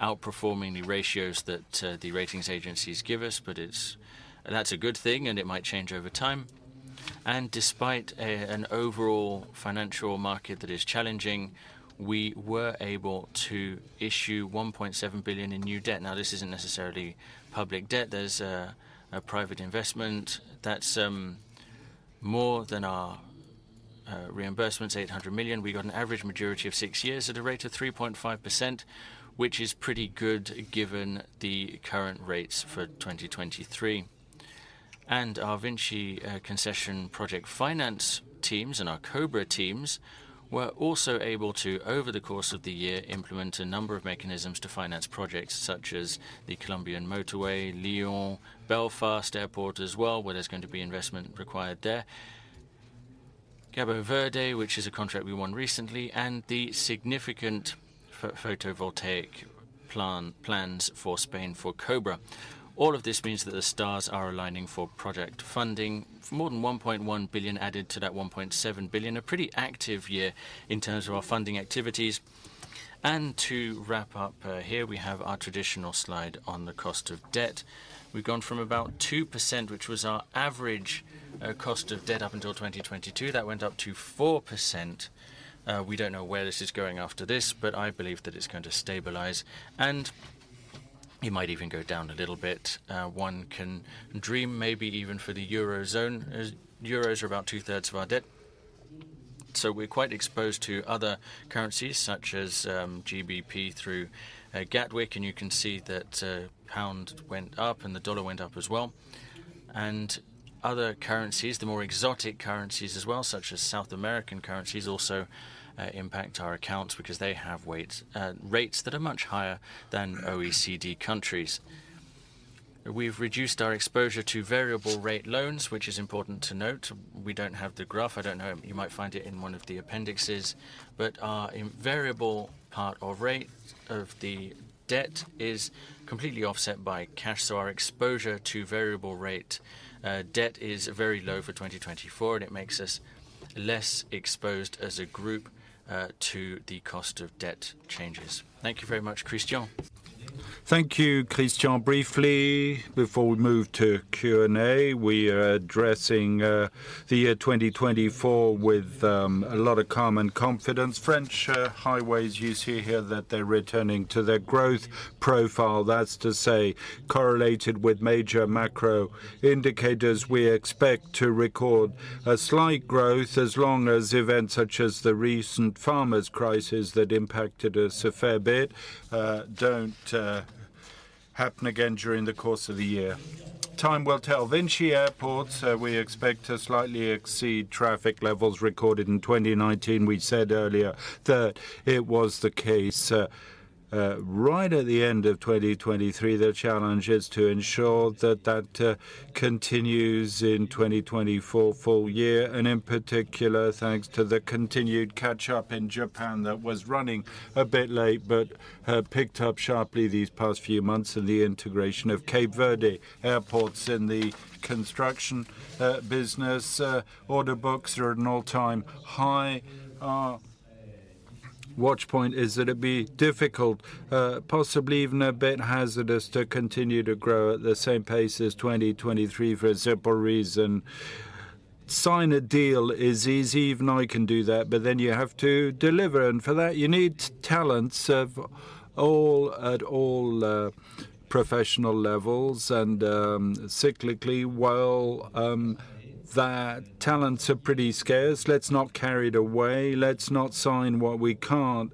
outperforming the ratios that the ratings agencies give us, but it's... That's a good thing, and it might change over time. Despite an overall financial market that is challenging, we were able to issue 1.7 billion in new debt. Now, this isn't necessarily public debt. There's a private investment that's more than our reimbursements, 800 million. We got an average maturity of 6 years at a rate of 3.5%, which is pretty good, given the current rates for 2023. And our VINCI concession project finance teams and our Cobra teams were also able to, over the course of the year, implement a number of mechanisms to finance projects, such as the Colombian motorway, Lyon, Belfast Airport as well, where there's going to be investment required there. Cabo Verde, which is a contract we won recently, and the significant photovoltaic plans for Spain for Cobra. All of this means that the stars are aligning for project funding. More than 1.1 billion added to that 1.7 billion, a pretty active year in terms of our funding activities. And to wrap up, here we have our traditional slide on the cost of debt. We've gone from about 2%, which was our average cost of debt up until 2022. That went up to 4%. We don't know where this is going after this, but I believe that it's going to stabilize, and it might even go down a little bit. One can dream, maybe even for the Eurozone, as euros are about two-thirds of our debt. So we're quite exposed to other currencies, such as GBP through Gatwick, and you can see that pound went up, and the dollar went up as well. And other currencies, the more exotic currencies as well, such as South American currencies, also impact our accounts because they have weights rates that are much higher than OECD countries. We've reduced our exposure to variable rate loans, which is important to note. We don't have the graph. I don't know, you might find it in one of the appendices, but our invariable part or rate of the debt is completely offset by cash. Our exposure to variable rate debt is very low for 2024, and it makes us less exposed as a group to the cost of debt changes. Thank you very much, Christian. Thank you, Christian. Briefly, before we move to Q&A, we are addressing the year 2024 with a lot of calm and confidence. French highways, you see here that they're returning to their growth profile. That's to say, correlated with major macro indicators, we expect to record a slight growth as long as events such as the recent farmers' crisis that impacted us a fair bit don't happen again during the course of the year. Time will tell. VINCI Airports, we expect to slightly exceed traffic levels recorded in 2019. We said earlier that it was the case right at the end of 2023. The challenge is to ensure that continues in 2024 full year, and in particular, thanks to the continued catch-up in Japan that was running a bit late, but picked up sharply these past few months, and the integration of Cape Verde airports in the construction business. Order books are at an all-time high. Watch point is that it'd be difficult, possibly even a bit hazardous, to continue to grow at the same pace as 2023 for a simple reason. Sign a deal is easy, even I can do that, but then you have to deliver, and for that, you need talents of all, at all professional levels. And, cyclically, well, that talents are pretty scarce. Let's not carry it away. Let's not sign what we can't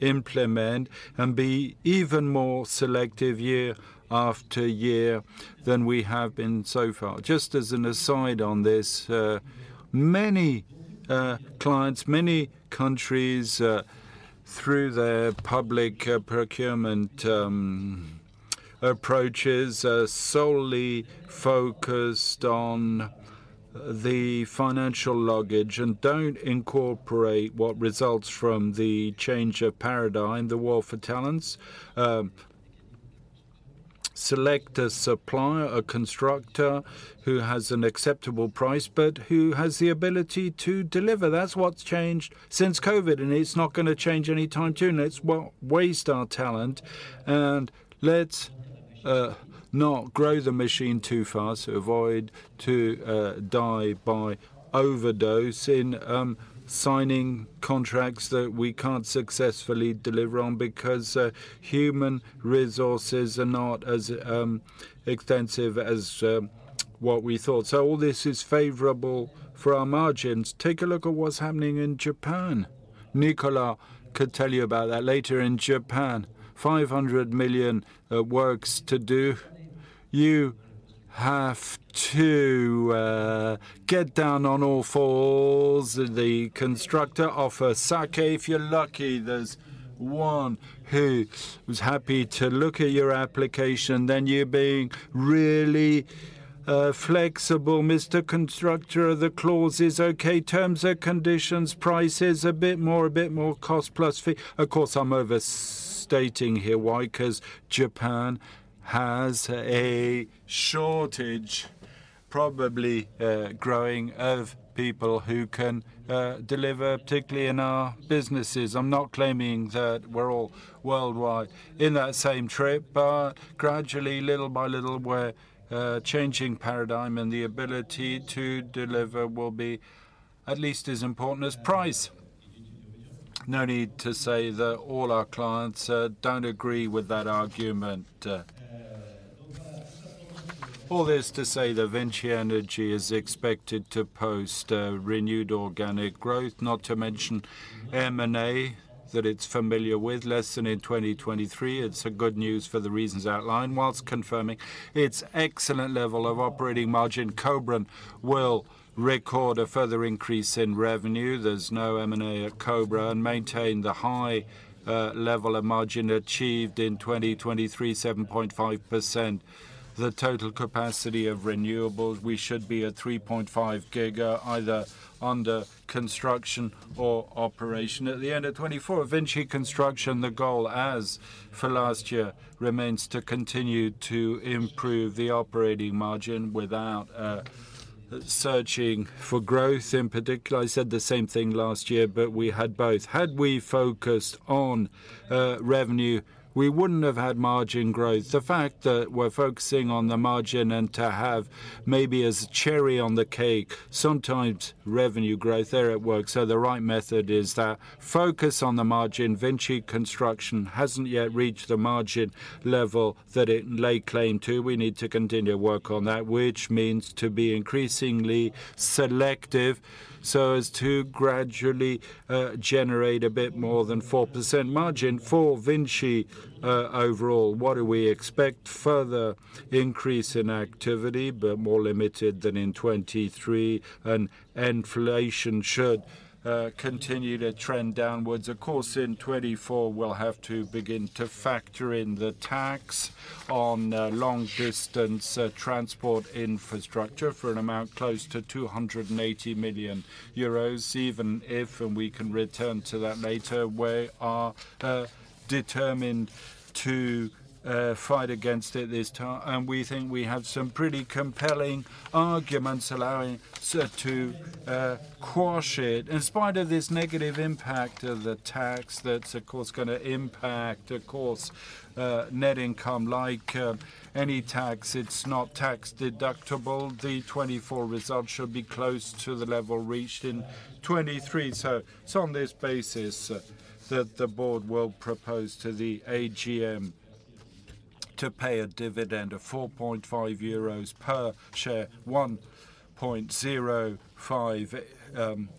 implement and be even more selective year after year than we have been so far. Just as an aside on this, many clients, many countries through their public procurement approaches, are solely focused on the financial logic and don't incorporate what results from the change of paradigm, the war for talents. Select a supplier, a constructor, who has an acceptable price, but who has the ability to deliver. That's what's changed since COVID, and it's not gonna change anytime soon. Let's not waste our talent, and let's not grow the machine too fast to avoid to die by overdose in signing contracts that we can't successfully deliver on because human resources are not as extensive as what we thought. So all this is favorable for our margins. Take a look at what's happening in Japan. Nicolas could tell you about that later. In Japan, 500 million works to do. You have to get down on all fours, and the constructor offer sake. If you're lucky, there's one who is happy to look at your application, then you're being really flexible, Mr. Constructor. Are the clauses okay? Terms and conditions, price is a bit more, a bit more cost plus fee. Of course, I'm overstating here. Why? 'Cause Japan has a shortage, probably, growing, of people who can deliver, particularly in our businesses. I'm not claiming that we're all worldwide in that same trip, but gradually, little by little, we're changing paradigm, and the ability to deliver will be at least as important as price. No need to say that all our clients don't agree with that argument. All this to say that VINCI Energies is expected to post renewed organic growth, not to mention M&A, that it's familiar with less than in 2023. It's a good news for the reasons outlined, whilst confirming its excellent level of operating margin. Cobra will record a further increase in revenue. There's no M&A at Cobra, and maintain the high level of margin achieved in 2023, 7.5%. The total capacity of renewables, we should be at 3.5 giga, either under construction or operation. At the end of 2024, VINCI Construction, the goal, as for last year, remains to continue to improve the operating margin without searching for growth. In particular, I said the same thing last year, but we had both. Had we focused on revenue, we wouldn't have had margin growth. The fact that we're focusing on the margin and to have, maybe as cherry on the cake, sometimes revenue growth there at work. So the right method is that focus on the margin. VINCI Construction hasn't yet reached the margin level that it lay claim to. We need to continue to work on that, which means to be increasingly selective so as to gradually generate a bit more than 4% margin. For VINCI, overall, what do we expect? Further increase in activity, but more limited than in 2023, and inflation should continue to trend downwards. Of course, in 2024, we'll have to begin to factor in the tax on long-distance transport infrastructure for an amount close to 280 million euros. Even if, and we can return to that later, we are determined to fight against it this time. And we think we have some pretty compelling arguments allowing so to quash it. In spite of this negative impact of the tax, that's, of course, gonna impact, of course, net income, like, any tax, it's not tax-deductible. The 2024 results should be close to the level reached in 2023. So it's on this basis that the board will propose to the AGM to pay a dividend of 4.5 euros per share, 1.05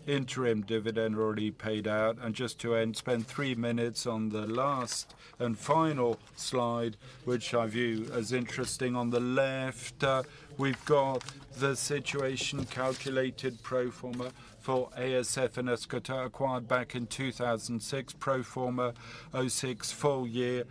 interim dividend already paid out. And just to end, spend 3 minutes on the last and final slide, which I view as interesting. On the left, we've got the situation calculated pro forma for ASF and Escota, acquired back in 2006. Pro forma 2006 full year,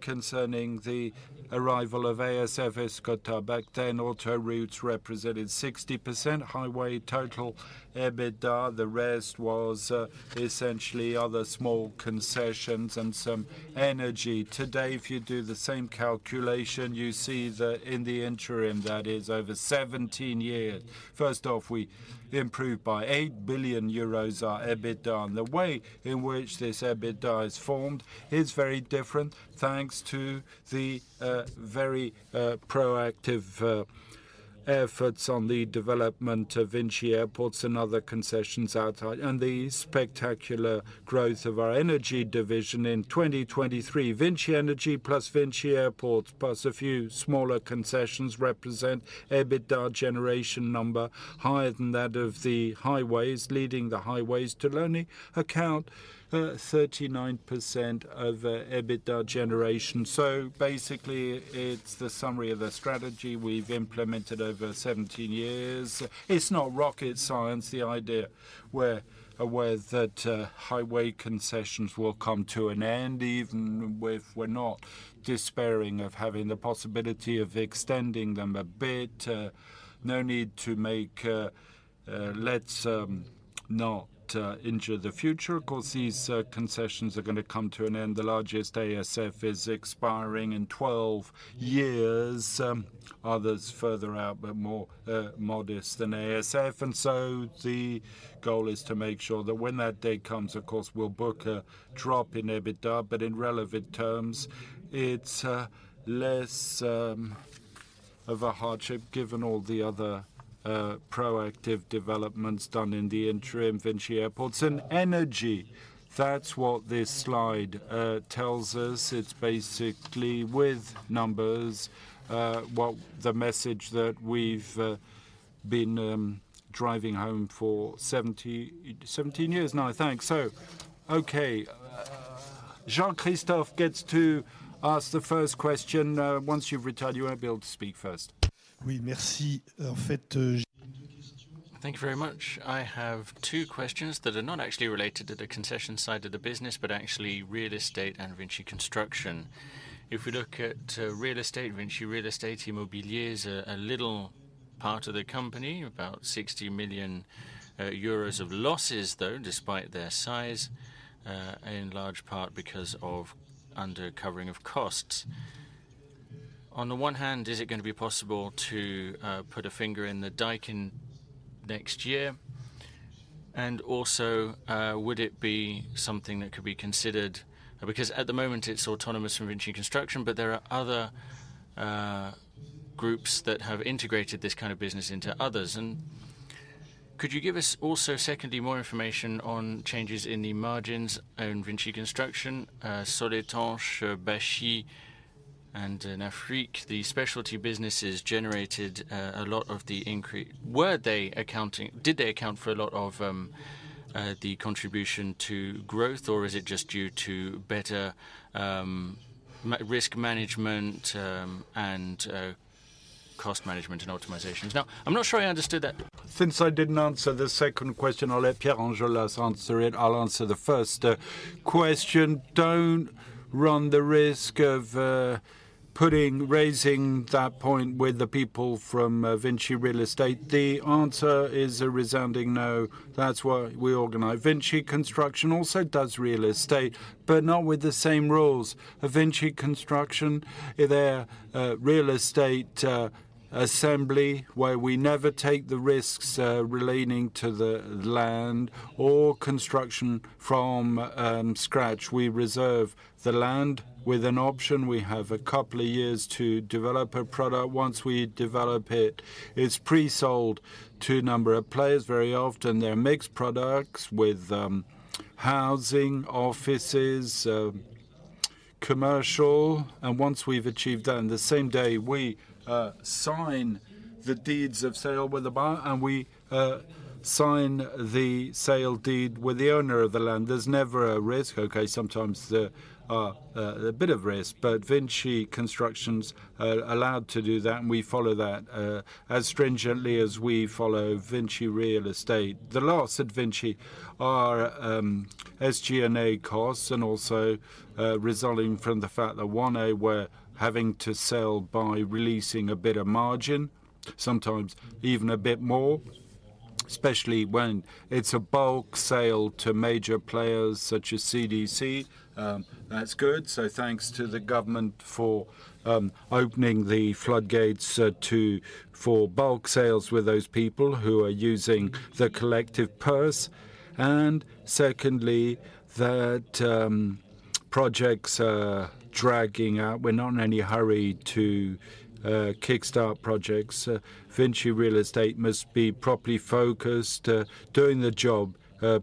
concerning the arrival of ASF, Escota. Back then, Autoroutes represented 60% highway total EBITDA, the rest was essentially other small concessions and some energy. Today, if you do the same calculation, you see that in the interim, that is over 17 years. First off, we improved by 8 billion euros our EBITDA, and the way in which this EBITDA is formed is very different, thanks to the very proactive efforts on the development of VINCI Airports and other concessions outside, and the spectacular growth of our energy division. In 2023, VINCI Energies plus VINCI Airports, plus a few smaller concessions, represent EBITDA generation number higher than that of the highways, leading the highways to only account 39% of EBITDA generation. So basically, it's the summary of the strategy we've implemented over 17 years. It's not rocket science, the idea where, where that, highway concessions will come to an end, even with we're not despairing of having the possibility of extending them a bit. No need to make... Let's not injure the future. Of course, these concessions are gonna come to an end. The largest, ASF, is expiring in 12 years, others further out, but more modest than ASF. And so the goal is to make sure that when that day comes, of course, we'll book a drop in EBITDA, but in relevant terms, it's less of a hardship, given all the other proactive developments done in the interim, VINCI Airports and Energy. That's what this slide tells us. It's basically with numbers, well, the message that we've been driving home for 17 years now, I think. So, okay, Jean-Christophe gets to ask the first question. Once you've retired, you won't be able to speak first. Thank you very much. I have two questions that are not actually related to the concession side of the business, but actually real estate and VINCI Construction. If we look at real estate, VINCI Immobilier is a little part of the company, about 60 million euros of losses, though, despite their size, in large part because of undercovering of costs. On the one hand, is it going to be possible to put a finger in the dike in next year? And also, would it be something that could be considered... Because at the moment, it's autonomous from VINCI Construction, but there are other groups that have integrated this kind of business into others. Could you give us also, secondly, more information on changes in the margins on VINCI Construction, Soletanche Bachy, and en Afrique? Did they account for a lot of the contribution to growth, or is it just due to better risk management and cost management and optimizations? Now, I'm not sure I understood that. Since I didn't answer the second question, I'll let Pierre Anjolras answer it. I'll answer the first question. Don't run the risk of putting, raising that point with the people from VINCI Real Estate. The answer is a resounding no. That's why we organize. VINCI Construction also does real estate, but not with the same rules. VINCI Construction, their real estate assembly, where we never take the risks relating to the land or construction from scratch. We reserve the land with an option. We have a couple of years to develop a product. Once we develop it, it's pre-sold to a number of players. Very often, they're mixed products with housing, offices, commercial. Once we've achieved that, on the same day, we sign the deeds of sale with the buyer, and we sign the sale deed with the owner of the land. There's never a risk. Okay, sometimes there are a bit of risk, but VINCI Construction is allowed to do that, and we follow that as stringently as we follow VINCI Real Estate. The loss at VINCI are SG&A costs and also resulting from the fact that, one, they were having to sell by releasing a bit of margin, sometimes even a bit more, especially when it's a bulk sale to major players such as CDC. That's good. So thanks to the government for opening the floodgates to for bulk sales with those people who are using the collective purse. And secondly, that projects are dragging out. We're not in any hurry to kickstart projects. VINCI Real Estate must be properly focused, doing the job,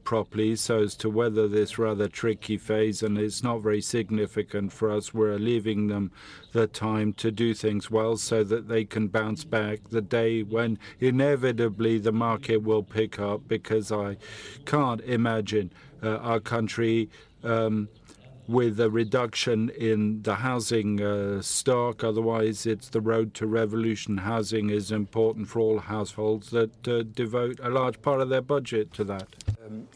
properly, so as to weather this rather tricky phase, and it's not very significant for us. We're leaving them the time to do things well so that they can bounce back the day when inevitably the market will pick up, because I can't imagine our country with a reduction in the housing stock. Otherwise, it's the road to revolution. Housing is important for all households that devote a large part of their budget to that.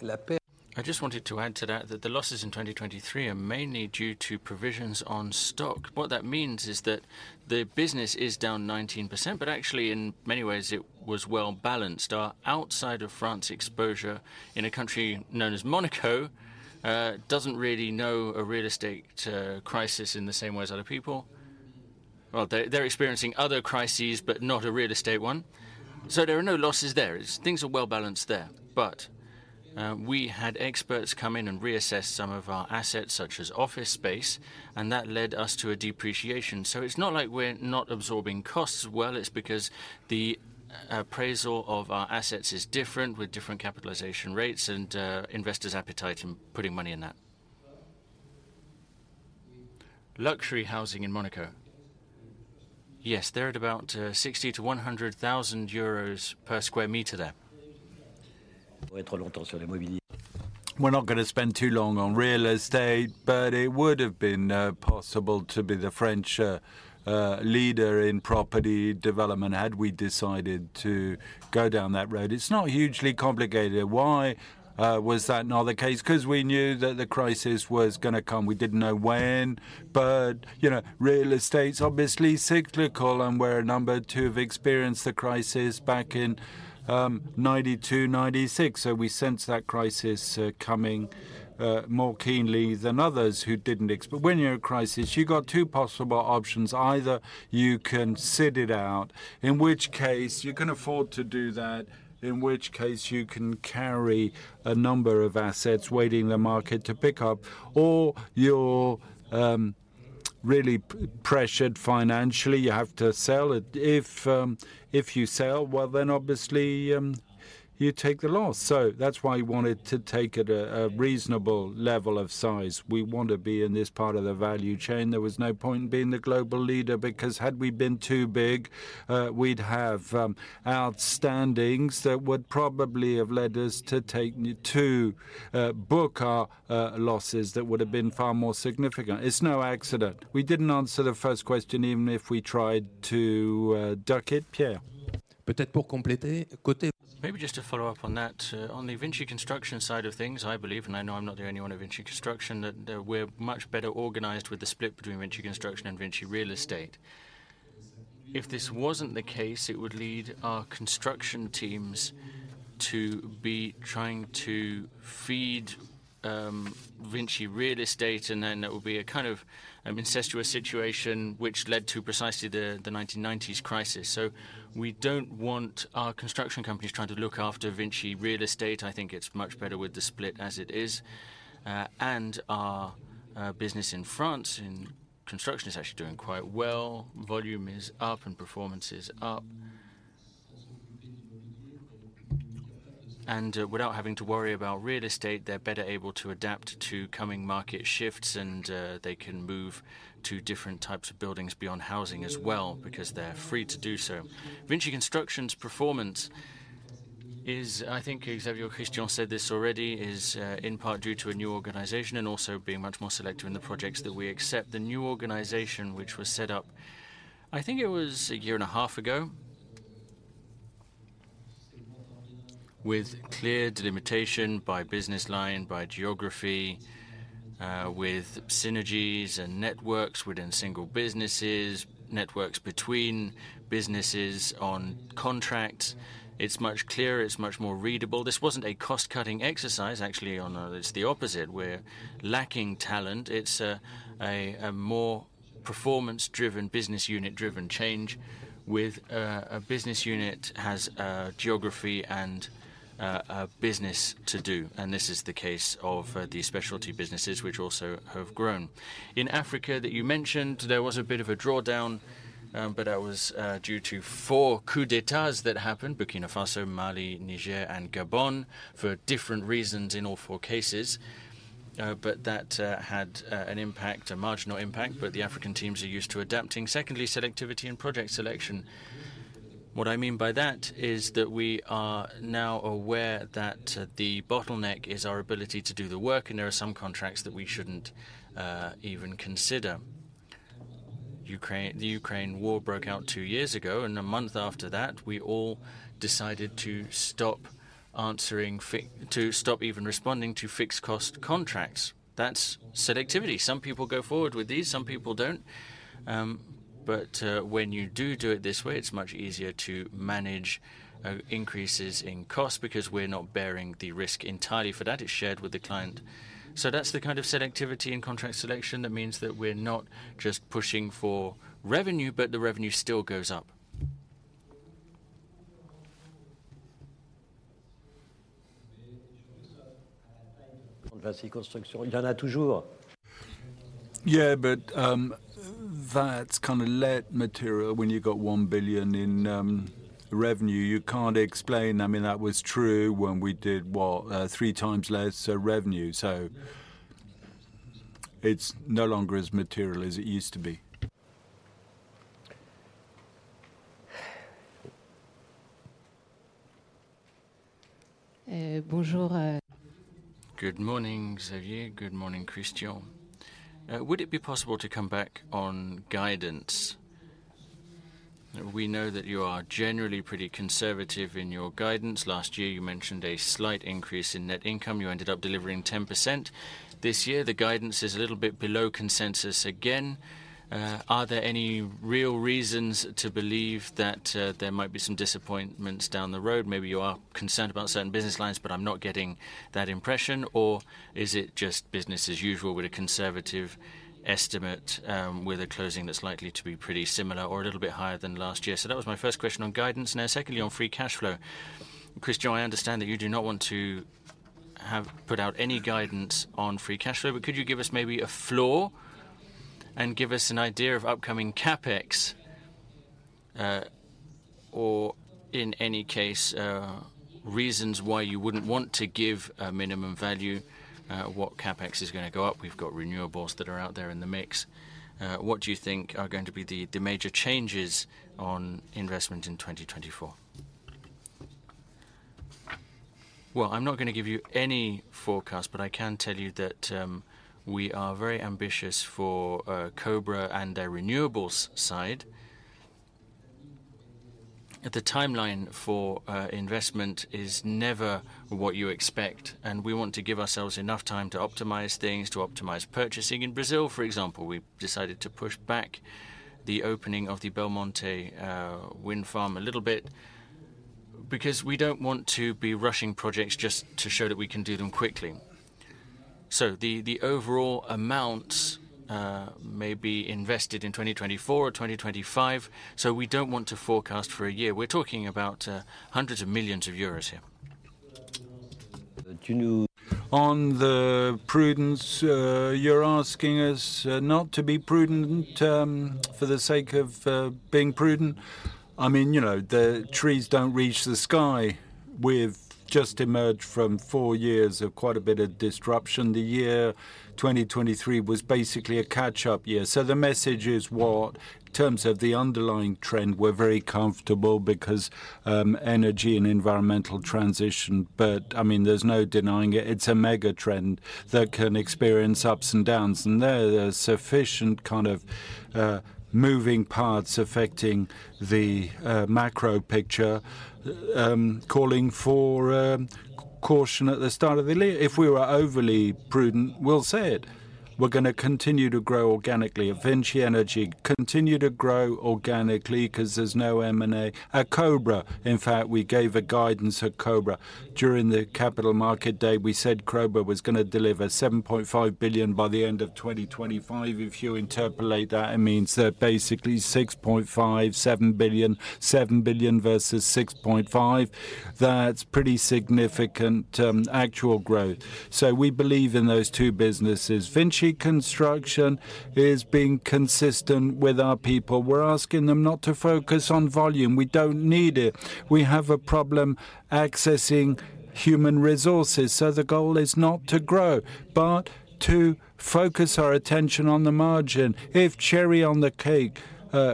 la per- I just wanted to add to that, that the losses in 2023 are mainly due to provisions on stock. What that means is that the business is down 19%, but actually, in many ways, it was well-balanced. Our outside of France exposure in a country known as Monaco doesn't really know a real estate crisis in the same way as other people. Well, they're, they're experiencing other crises, but not a real estate one. So there are no losses there. It's things are well-balanced there. But, we had experts come in and reassess some of our assets, such as office space, and that led us to a depreciation. So it's not like we're not absorbing costs well, it's because the appraisal of our assets is different, with different capitalization rates and, investors' appetite in putting money in that. Luxury housing in Monaco. Yes, they're at about 60-100,000 euros per sq m there. We're not going to spend too long on real estate, but it would have been possible to be the French leader in property development had we decided to go down that road. It's not hugely complicated. Why was that not the case? 'Cause we knew that the crisis was gonna come. We didn't know when, but, you know, real estate's obviously cyclical, and we're a number to have experienced the crisis back in 1992, 1996. So we sensed that crisis coming more keenly than others who didn't. But when you're in a crisis, you got two possible options: either you can sit it out, in which case you can afford to do that, in which case you can carry a number of assets waiting the market to pick up, or you're really pressured financially, you have to sell. If you sell, well, then obviously you take the loss. So that's why we wanted to take it at a reasonable level of size. We want to be in this part of the value chain. There was no point in being the global leader, because had we been too big, we'd have outstandings that would probably have led us to take new... To book our losses that would have been far more significant. It's no accident. We didn't answer the first question, even if we tried to duck it. Pierre? Maybe just to follow up on that, on the VINCI Construction side of things, I believe, and I know I'm not the only one at VINCI Construction, that we're much better organized with the split between VINCI Construction and VINCI Real Estate. If this wasn't the case, it would lead our construction teams to be trying to feed VINCI Real Estate, and then that would be a kind of an incestuous situation, which led to precisely the 1990s crisis. So we don't want our construction companies trying to look after VINCI Real Estate. I think it's much better with the split as it is. And our business in France, in... Construction is actually doing quite well. Volume is up and performance is up. Without having to worry about real estate, they're better able to adapt to coming market shifts, and they can move to different types of buildings beyond housing as well, because they're free to do so. VINCI Construction's performance is, I think Xavier or Christian said this already, in part due to a new organization and also being much more selective in the projects that we accept. The new organization, which was set up, I think it was a year and a half ago, with clear delimitation by business line, by geography, with synergies and networks within single businesses, networks between businesses on contracts. It's much clearer, it's much more readable. This wasn't a cost-cutting exercise, actually. It's the opposite. We're lacking talent. It's a more performance-driven, business unit-driven change, with a business unit has geography and a business to do, and this is the case of the specialty businesses, which also have grown. In Africa, that you mentioned, there was a bit of a drawdown, but that was due to four coups d'état that happened: Burkina Faso, Mali, Niger, and Gabon, for different reasons in all four cases. But that had an impact, a marginal impact, but the African teams are used to adapting. Secondly, selectivity and project selection. What I mean by that is that we are now aware that the bottleneck is our ability to do the work, and there are some contracts that we shouldn't even consider. The Ukraine war broke out two years ago, and a month after that, we all decided to stop even responding to fixed cost contracts. That's selectivity. Some people go forward with these, some people don't. But when you do it this way, it's much easier to manage increases in cost because we're not bearing the risk entirely for that. It's shared with the client. So that's the kind of selectivity and contract selection. That means that we're not just pushing for revenue, but the revenue still goes up. Yeah, but, that's kind of lead material. When you've got 1 billion in revenue, you can't explain. I mean, that was true when we did, what? three times less of revenue. So it's no longer as material as it used to be. Bonjour, Good morning, Xavier. Good morning, Christian. Would it be possible to come back on guidance? We know that you are generally pretty conservative in your guidance. Last year, you mentioned a slight increase in net income. You ended up delivering 10%. This year, the guidance is a little bit below consensus again. Are there any real reasons to believe that there might be some disappointments down the road? Maybe you are concerned about certain business lines, but I'm not getting that impression. Or is it just business as usual with a conservative estimate, with a closing that's likely to be pretty similar or a little bit higher than last year? So that was my first question on guidance. Now, secondly, on free cash flow. Christian, I understand that you do not want to have to put out any guidance on free cash flow, but could you give us maybe a floor and give us an idea of upcoming CapEx? Or in any case, reasons why you wouldn't want to give a minimum value, what CapEx is gonna go up. We've got renewables that are out there in the mix. What do you think are going to be the major changes on investment in 2024? Well, I'm not gonna give you any forecast, but I can tell you that, we are very ambitious for, Cobra and the renewables side. But the timeline for, investment is never what you expect, and we want to give ourselves enough time to optimize things, to optimize purchasing. In Brazil, for example, we've decided to push back the opening of the Belmonte Wind Farm a little bit because we don't want to be rushing projects just to show that we can do them quickly. The overall amounts may be invested in 2024 or 2025, so we don't want to forecast for a year. We're talking about hundreds of millions EUR here. On the prudence, you're asking us not to be prudent for the sake of being prudent? I mean, you know, the trees don't reach the sky. We've just emerged from four years of quite a bit of disruption. The year 2023 was basically a catch-up year. So the message is what? In terms of the underlying trend, we're very comfortable because energy and environmental transition, but I mean, there's no denying it. It's a mega trend that can experience ups and downs, and there is sufficient moving parts affecting the macro picture calling for caution at the start of the year. If we were overly prudent, we'll say it. We're gonna continue to grow organically. VINCI Energies continue to grow organically 'cause there's no M&A. At Cobra, in fact, we gave a guidance at Cobra. During the capital market day, we said Cobra was gonna deliver 7.5 billion by the end of 2025. If you interpolate that, it means that basically 6.5, 7 billion, 7 billion versus 6.5, that's pretty significant, actual growth. So we believe in those two businesses. VINCI Construction is being consistent with our people. We're asking them not to focus on volume. We don't need it. We have a problem accessing human resources, so the goal is not to grow, but to focus our attention on the margin. If cherry on the cake,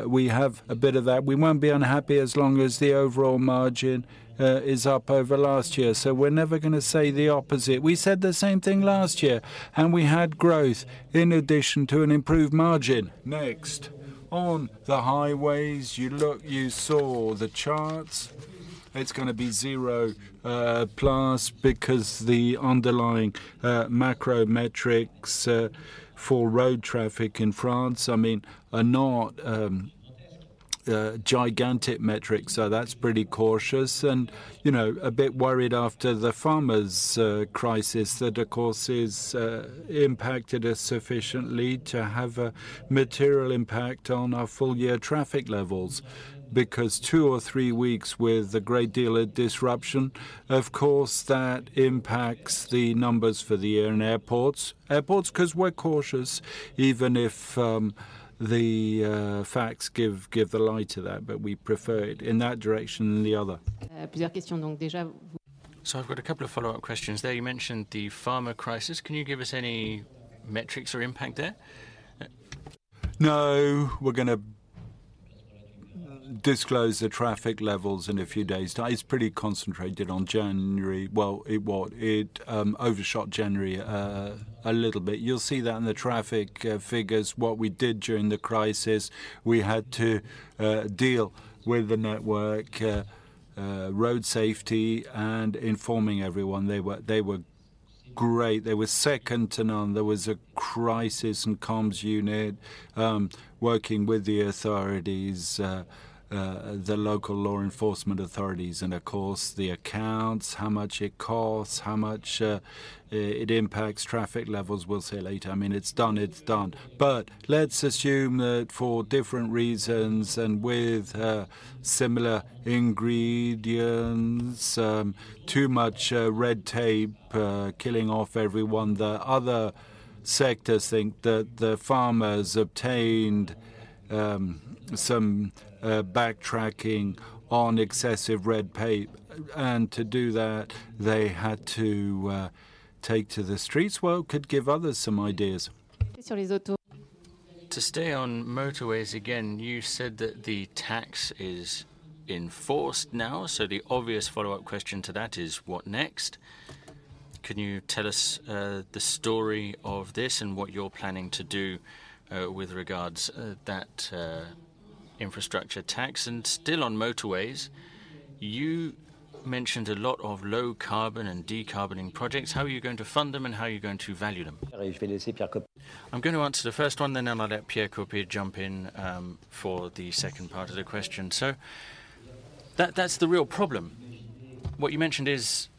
we have a bit of that, we won't be unhappy as long as the overall margin is up over last year. So we're never gonna say the opposite. We said the same thing last year, and we had growth in addition to an improved margin. Next, on the highways, you look... You saw the charts. It's gonna be zero plus because the underlying macro metrics for road traffic in France, I mean, are not gigantic metrics, so that's pretty cautious. And, you know, a bit worried after the farmers' crisis that, of course, is impacted us sufficiently to have a material impact on our full year traffic levels. Because two or three weeks with a great deal of disruption, of course, that impacts the numbers for the year. And airports 'cause we're cautious, even if the facts give the lie to that, but we prefer it in that direction than the other. I've got a couple of follow-up questions there. You mentioned the farmer crisis. Can you give us any metrics or impact there? No, we're gonna disclose the traffic levels in a few days' time. It's pretty concentrated on January. Well, it what? It overshot January a little bit. You'll see that in the traffic figures. What we did during the crisis, we had to deal with the network, road safety and informing everyone. They were, they were great. They were second to none. There was a crisis and comms unit working with the authorities, the local law enforcement authorities, and of course, the accounts, how much it costs, how much it impacts traffic levels. We'll say later. I mean, it's done, it's done. But let's assume that for different reasons and with similar ingredients, too much red tape killing off everyone, the other sectors think that the farmers obtained some backtracking on excessive red tape. To do that, they had to take to the streets. Well, could give others some ideas. To stay on motorways again, you said that the tax is in force now, so the obvious follow-up question to that is, what next? Can you tell us the story of this and what you're planning to do with regards to that infrastructure tax? And still on motorways, you mentioned a lot of low carbon and decarbonizing projects. How are you going to fund them, and how are you going to value them? I'm going to answer the first one, then I'm gonna let Pierre Coppey jump in for the second part of the question. So that's the real problem. What you mentioned is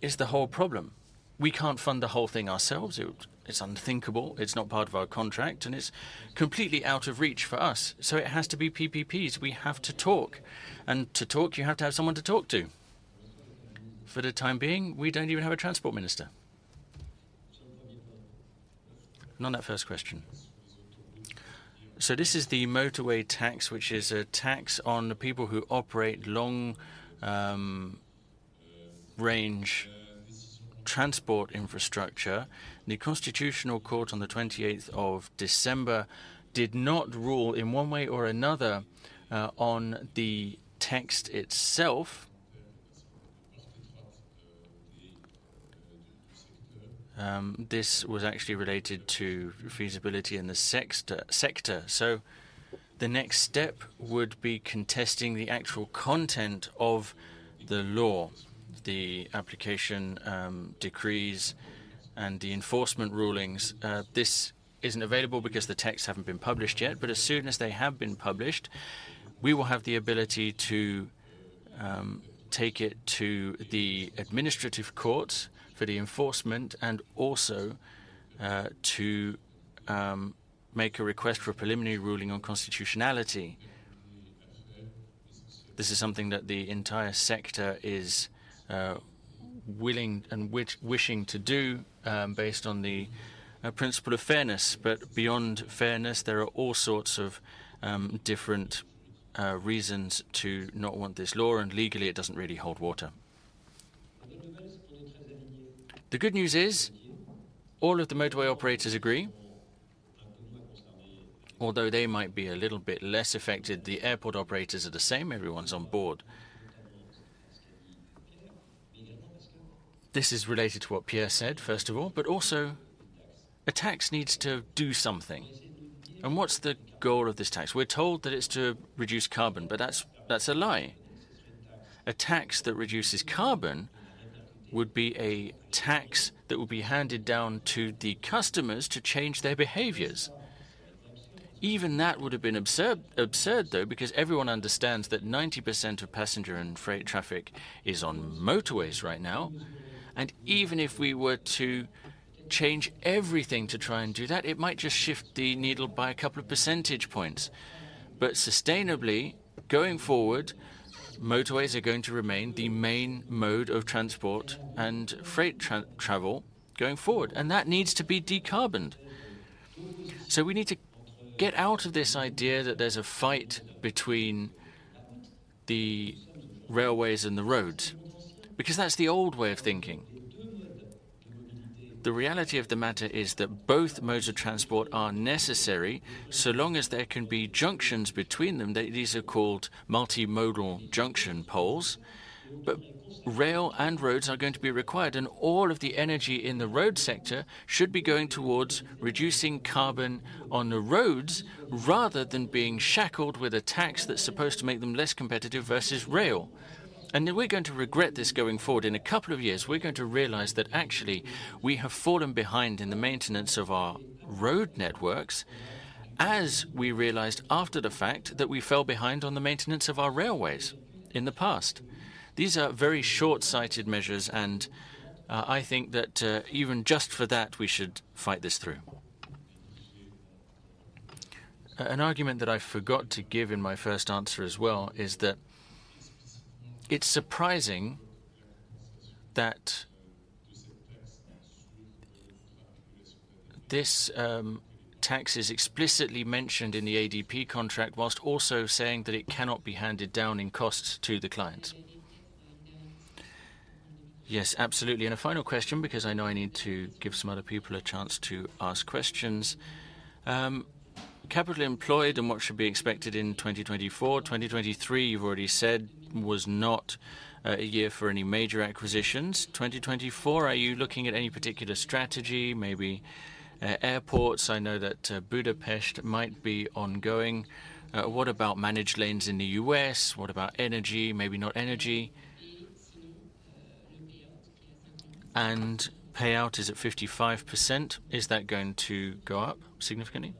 the whole problem. We can't fund the whole thing ourselves. It's unthinkable, it's not part of our contract, and it's completely out of reach for us. So it has to be PPPs. We have to talk, and to talk, you have to have someone to talk to. For the time being, we don't even have a transport minister. On that first question. This is the motorway tax, which is a tax on the people who operate long-range transport infrastructure. The Constitutional Court on the 28th of December did not rule in one way or another on the text itself. This was actually related to feasibility in the sixth sector. The next step would be contesting the actual content of the law, the application decrees, and the enforcement rulings. This isn't available because the texts haven't been published yet, but as soon as they have been published, we will have the ability to take it to the administrative courts for the enforcement and also to make a request for a preliminary ruling on constitutionality. This is something that the entire sector is willing and wishing to do, based on the principle of fairness. But beyond fairness, there are all sorts of different reasons to not want this law, and legally, it doesn't really hold water. The good news is, all of the motorway operators agree, although they might be a little bit less affected, the airport operators are the same, everyone's on board. This is related to what Pierre said, first of all, but also a tax needs to do something. And what's the goal of this tax? We're told that it's to reduce carbon, but that's, that's a lie. A tax that reduces carbon would be a tax that will be handed down to the customers to change their behaviors. Even that would have been absurd, absurd, though, because everyone understands that 90% of passenger and freight traffic is on motorways right now, and even if we were to change everything to try and do that, it might just shift the needle by a couple of percentage points. But sustainably, going forward, motorways are going to remain the main mode of transport and freight travel going forward, and that needs to be decarboned. So we need to get out of this idea that there's a fight between the railways and the roads, because that's the old way of thinking. The reality of the matter is that both modes of transport are necessary, so long as there can be junctions between them. These are called multimodal junction poles. But rail and roads are going to be required, and all of the energy in the road sector should be going towards reducing carbon on the roads, rather than being shackled with a tax that's supposed to make them less competitive versus rail. And then we're going to regret this going forward. In a couple of years, we're going to realize that actually we have fallen behind in the maintenance of our road networks, as we realized after the fact that we fell behind on the maintenance of our railways in the past. These are very short-sighted measures, and, I think that, even just for that, we should fight this through. An argument that I forgot to give in my first answer as well, is that it's surprising that this tax is explicitly mentioned in the ADP contract, while also saying that it cannot be handed down in costs to the client. Yes, absolutely. A final question, because I know I need to give some other people a chance to ask questions. Capital employed and what should be expected in 2024. 2023, you've already said was not a year for any major acquisitions. 2024, are you looking at any particular strategy, maybe airports? I know that Budapest might be ongoing. What about managed lanes in the U.S.? What about energy? Maybe not energy. And payout is at 55%. Is that going to go up significantly?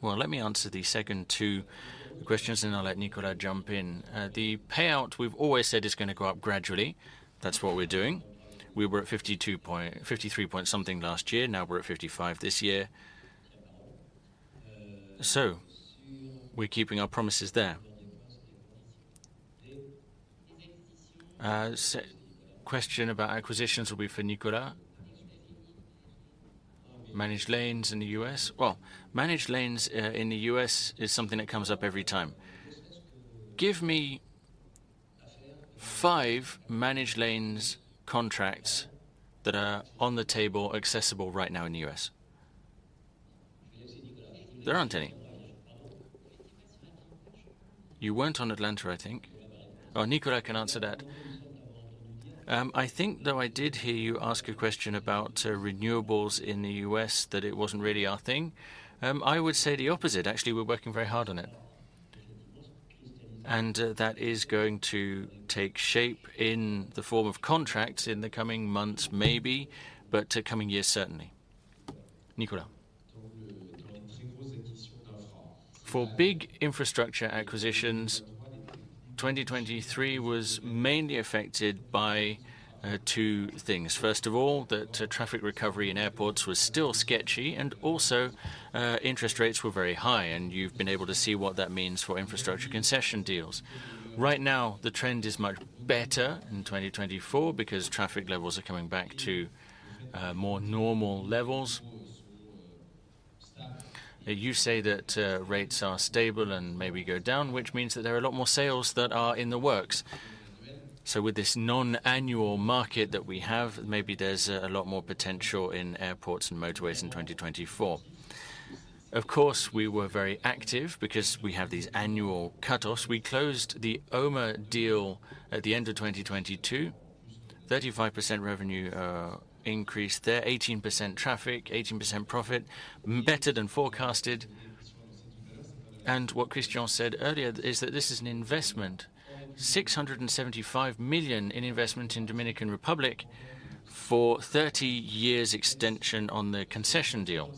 Well, let me answer the second two questions, and I'll let Nicolas jump in. The payout, we've always said, is gonna go up gradually. That's what we're doing. We were at 52 point... 53 point something last year, now we're at 55 this year. So we're keeping our promises there. Question about acquisitions will be for Nicolas. Managed lanes in the U.S.? Well, managed lanes in the U.S. is something that comes up every time. Give me five managed lanes contracts that are on the table, accessible right now in the U.S. There aren't any. You weren't on Atlanta, I think. Oh, Nicolas can answer that. I think, though, I did hear you ask a question about renewables in the U.S., that it wasn't really our thing. I would say the opposite. Actually, we're working very hard on it. That is going to take shape in the form of contracts in the coming months, maybe, but to coming years, certainly. Nicolas. For big infrastructure acquisitions, 2023 was mainly affected by two things. First of all, that traffic recovery in airports was still sketchy, and also interest rates were very high, and you've been able to see what that means for infrastructure concession deals. Right now, the trend is much better in 2024 because traffic levels are coming back to more normal levels. You say that rates are stable and maybe go down, which means that there are a lot more sales that are in the works. So with this non-annual market that we have, maybe there's a lot more potential in airports and motorways in 2024. Of course, we were very active because we have these annual cut-offs. We closed the OMA deal at the end of 2022. 35% revenue increase there, 18% traffic, 18% profit, better than forecasted. And what Christian said earlier is that this is an investment, 675 million in investment in Dominican Republic for 30 years extension on the concession deal.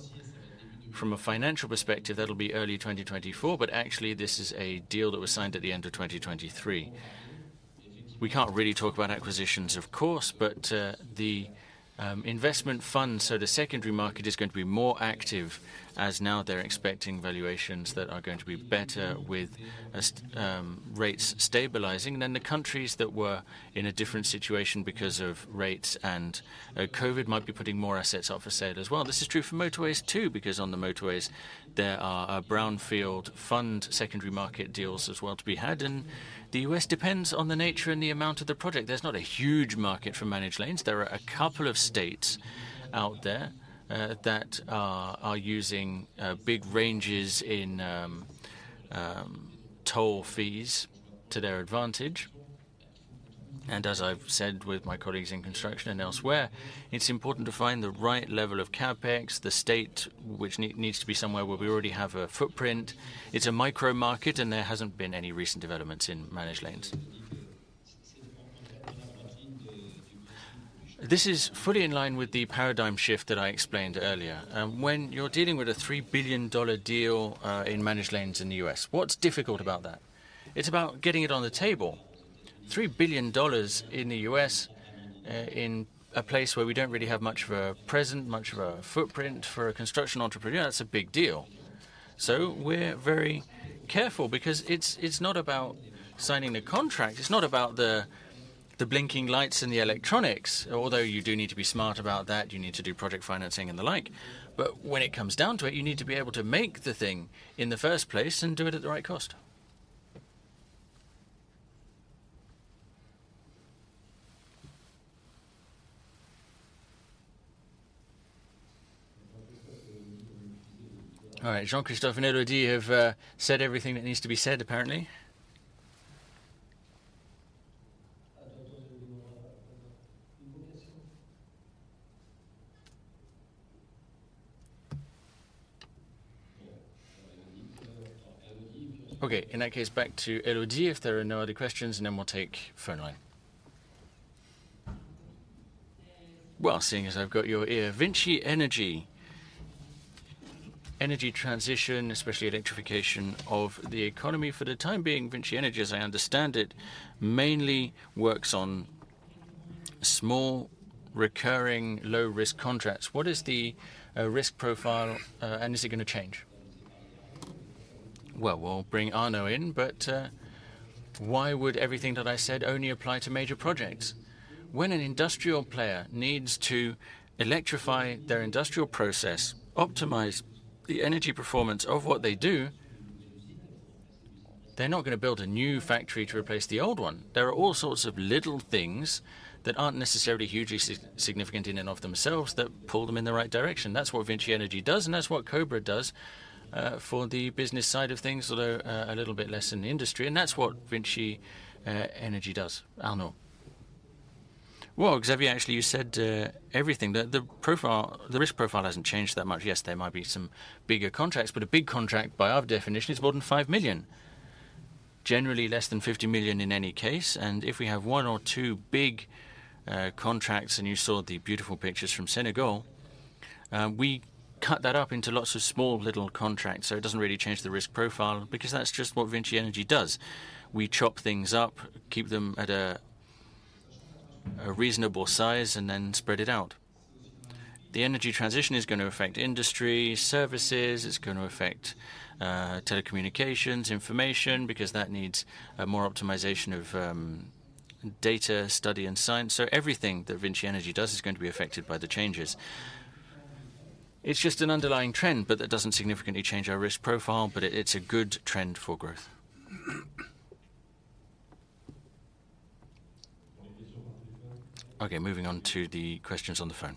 From a financial perspective, that'll be early 2024, but actually, this is a deal that was signed at the end of 2023. We can't really talk about acquisitions, of course, but the investment funds, so the secondary market is going to be more active, as now they're expecting valuations that are going to be better with rates stabilizing. Then the countries that were in a different situation because of rates and COVID might be putting more assets up for sale as well. This is true for motorways, too, because on the motorways, there are brownfield fund, secondary market deals as well to be had, and the U.S. depends on the nature and the amount of the project. There's not a huge market for managed lanes. There are a couple of states out there that are using big ranges in toll fees to their advantage. And as I've said with my colleagues in construction and elsewhere, it's important to find the right level of CapEx, the state which needs to be somewhere where we already have a footprint. It's a micro market, and there hasn't been any recent developments in managed lanes. This is fully in line with the paradigm shift that I explained earlier. When you're dealing with a $3 billion deal in managed lanes in the U.S., what's difficult about that? It's about getting it on the table. $3 billion in the US, in a place where we don't really have much of a presence, much of a footprint for a construction entrepreneur, that's a big deal. So we're very careful because it's, it's not about signing the contract, it's not about the, the blinking lights and the electronics, although you do need to be smart about that. You need to do project financing and the like. But when it comes down to it, you need to be able to make the thing in the first place and do it at the right cost. All right, Jean-Christophe and Elodie have said everything that needs to be said, apparently. Okay, in that case, back to Elodie if there are no other questions, and then we'll take phone line. Well, seeing as I've got your ear, VINCI Energies. Energy transition, especially electrification of the economy. For the time being, VINCI Energies, as I understand it, mainly works on small, recurring, low-risk contracts. What is the risk profile, and is it gonna change? Well, we'll bring Arnaud in, but why would everything that I said only apply to major projects? When an industrial player needs to electrify their industrial process, optimize the energy performance of what they do, they're not gonna build a new factory to replace the old one. There are all sorts of little things that aren't necessarily hugely significant in and of themselves that pull them in the right direction. That's what VINCI Energies does, and that's what Cobra does for the business side of things, although a little bit less in the industry, and that's what VINCI Energies does. Arnaud? Well, Xavier, actually, you said everything. The risk profile hasn't changed that much. Yes, there might be some bigger contracts, but a big contract, by our definition, is more than 5 million, generally less than 50 million in any case. If we have one or two big contracts, and you saw the beautiful pictures from Senegal, we cut that up into lots of small, little contracts, so it doesn't really change the risk profile because that's just what VINCI Energies does. We chop things up, keep them at a reasonable size, and then spread it out. The energy transition is gonna affect industry, services. It's gonna affect telecommunications, information, because that needs a more optimization of data, study, and science. So everything that VINCI Energies does is going to be affected by the changes. It's just an underlying trend, but that doesn't significantly change our risk profile, but it, it's a good trend for growth. Okay, moving on to the questions on the phone.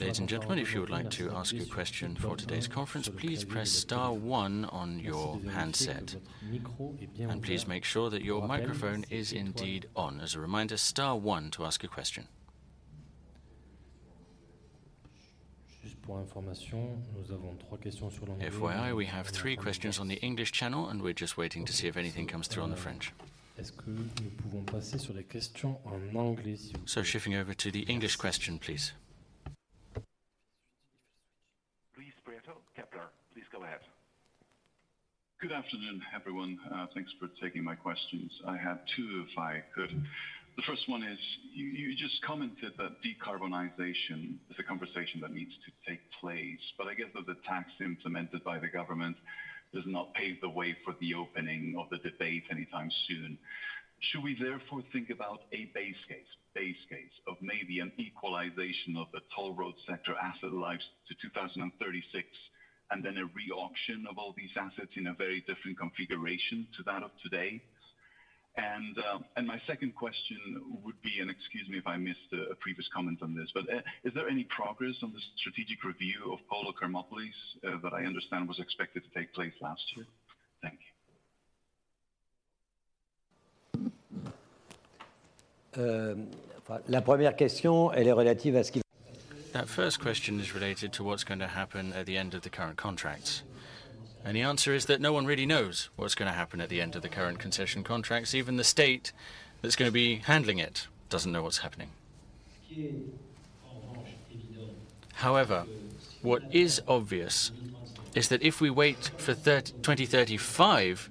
Ladies and gentlemen, if you would like to ask a question for today's conference, please press star one on your handset, and please make sure that your microphone is indeed on. As a reminder, star one to ask a question. FYI, we have three questions on the English channel, and we're just waiting to see if anything comes through on the French. So shifting over to the English question, please. Luis Prieto, Kepler. Please go ahead. Good afternoon, everyone. Thanks for taking my questions. I have two, if I could. The first one is, you just commented that decarbonization is a conversation that needs to take place, but I guess that the tax implemented by the government does not pave the way for the opening of the debate anytime soon. Should we therefore think about a base case of maybe an equalization of the toll road sector asset lives to 2036, and then a reauction of all these assets in a very different configuration to that of today? And my second question would be, and excuse me if I missed a previous comment on this, but is there any progress on the strategic review of Pola Cormopolis that I understand was expected to take place last year? Thank you. That first question is related to what's going to happen at the end of the current contracts, and the answer is that no one really knows what's gonna happen at the end of the current concession contracts. Even the state that's gonna be handling it doesn't know what's happening. However, what is obvious is that if we wait for 2035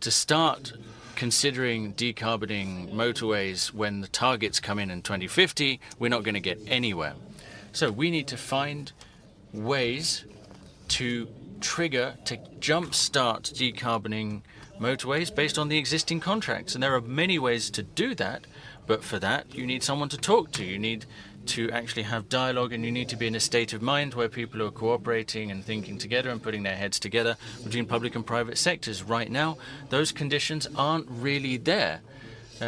to start considering decarbonizing motorways when the targets come in in 2050, we're not gonna get anywhere. So we need to find ways to trigger, to jumpstart decarbonizing motorways based on the existing contracts, and there are many ways to do that. But for that, you need someone to talk to. You need to actually have dialogue, and you need to be in a state of mind where people are cooperating and thinking together and putting their heads together between public and private sectors. Right now, those conditions aren't really there,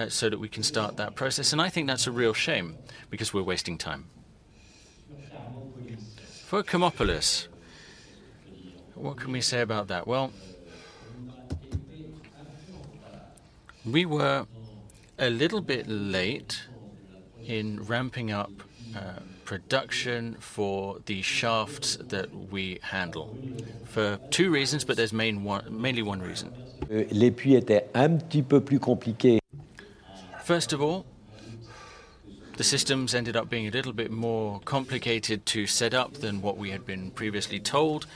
so that we can start that process, and I think that's a real shame because we're wasting time. For Carmópolis, what can we say about that? Well, we were a little bit late in ramping up production for the shafts that we handle, for two reasons, but there's mainly one reason. First of all, the systems ended up being a little bit more complicated to set up than what we had been previously told.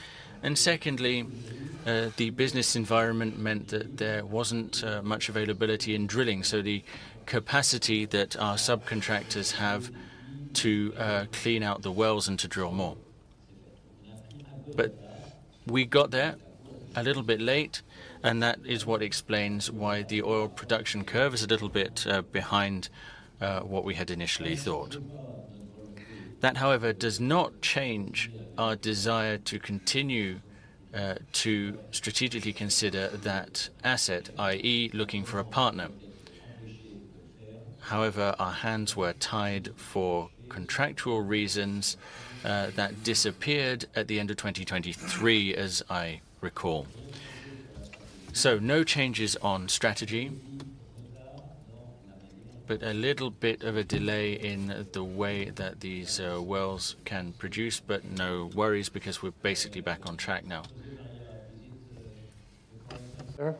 And secondly, the business environment meant that there wasn't much availability in drilling, so the capacity that our subcontractors have to clean out the wells and to drill more. But we got there a little bit late, and that is what explains why the oil production curve is a little bit behind what we had initially thought. That, however, does not change our desire to continue to strategically consider that asset, i.e., looking for a partner. However, our hands were tied for contractual reasons that disappeared at the end of 2023, as I recall. So no changes on strategy, but a little bit of a delay in the way that these wells can produce, but no worries, because we're basically back on track now. Yes. Okay.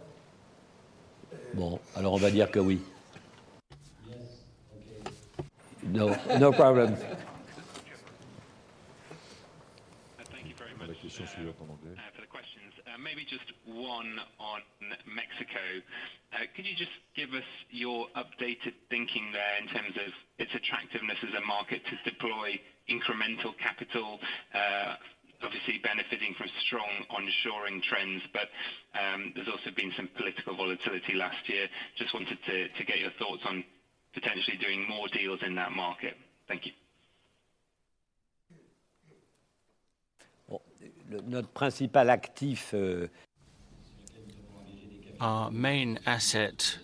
No, no problem. Thank you very much for the questions. Maybe just one on Mexico. Could you just give us your updated thinking there in terms of its attractiveness as a market to deploy incremental capital? Obviously benefiting from strong onshoring trends, but there's also been some political volatility last year. Just wanted to get your thoughts on potentially doing more deals in that market. Thank you. Well, our main asset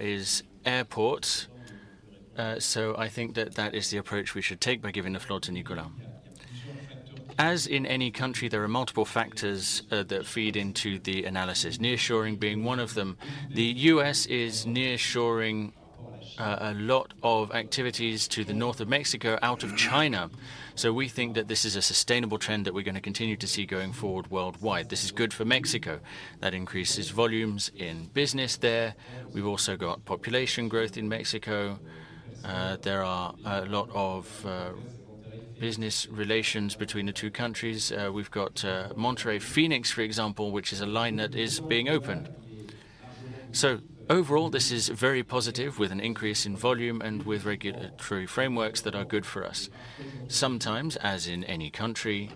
is airport. So I think that that is the approach we should take by giving the floor to Nicolas. As in any country, there are multiple factors that feed into the analysis, nearshoring being one of them. The US is nearshoring a lot of activities to the north of Mexico, out of China. So we think that this is a sustainable trend that we're going to continue to see going forward worldwide. This is good for Mexico. That increases volumes in business there. We've also got population growth in Mexico. There are a lot of business relations between the two countries. We've got Monterrey-Phoenix, for example, which is a line that is being opened. So overall, this is very positive, with an increase in volume and with regulatory frameworks that are good for us. Sometimes, as in any country,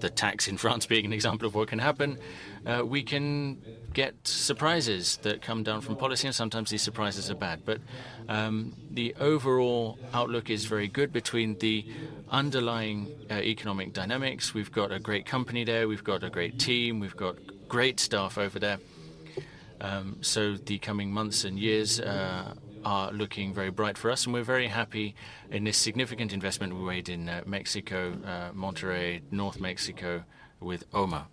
the tax in France being an example of what can happen, we can get surprises that come down from policy, and sometimes these surprises are bad. But the overall outlook is very good between the underlying economic dynamics. We've got a great company there, we've got a great team, we've got great staff over there. So the coming months and years are looking very bright for us, and we're very happy in this significant investment we made in Mexico, Monterrey, North Mexico, with OMA.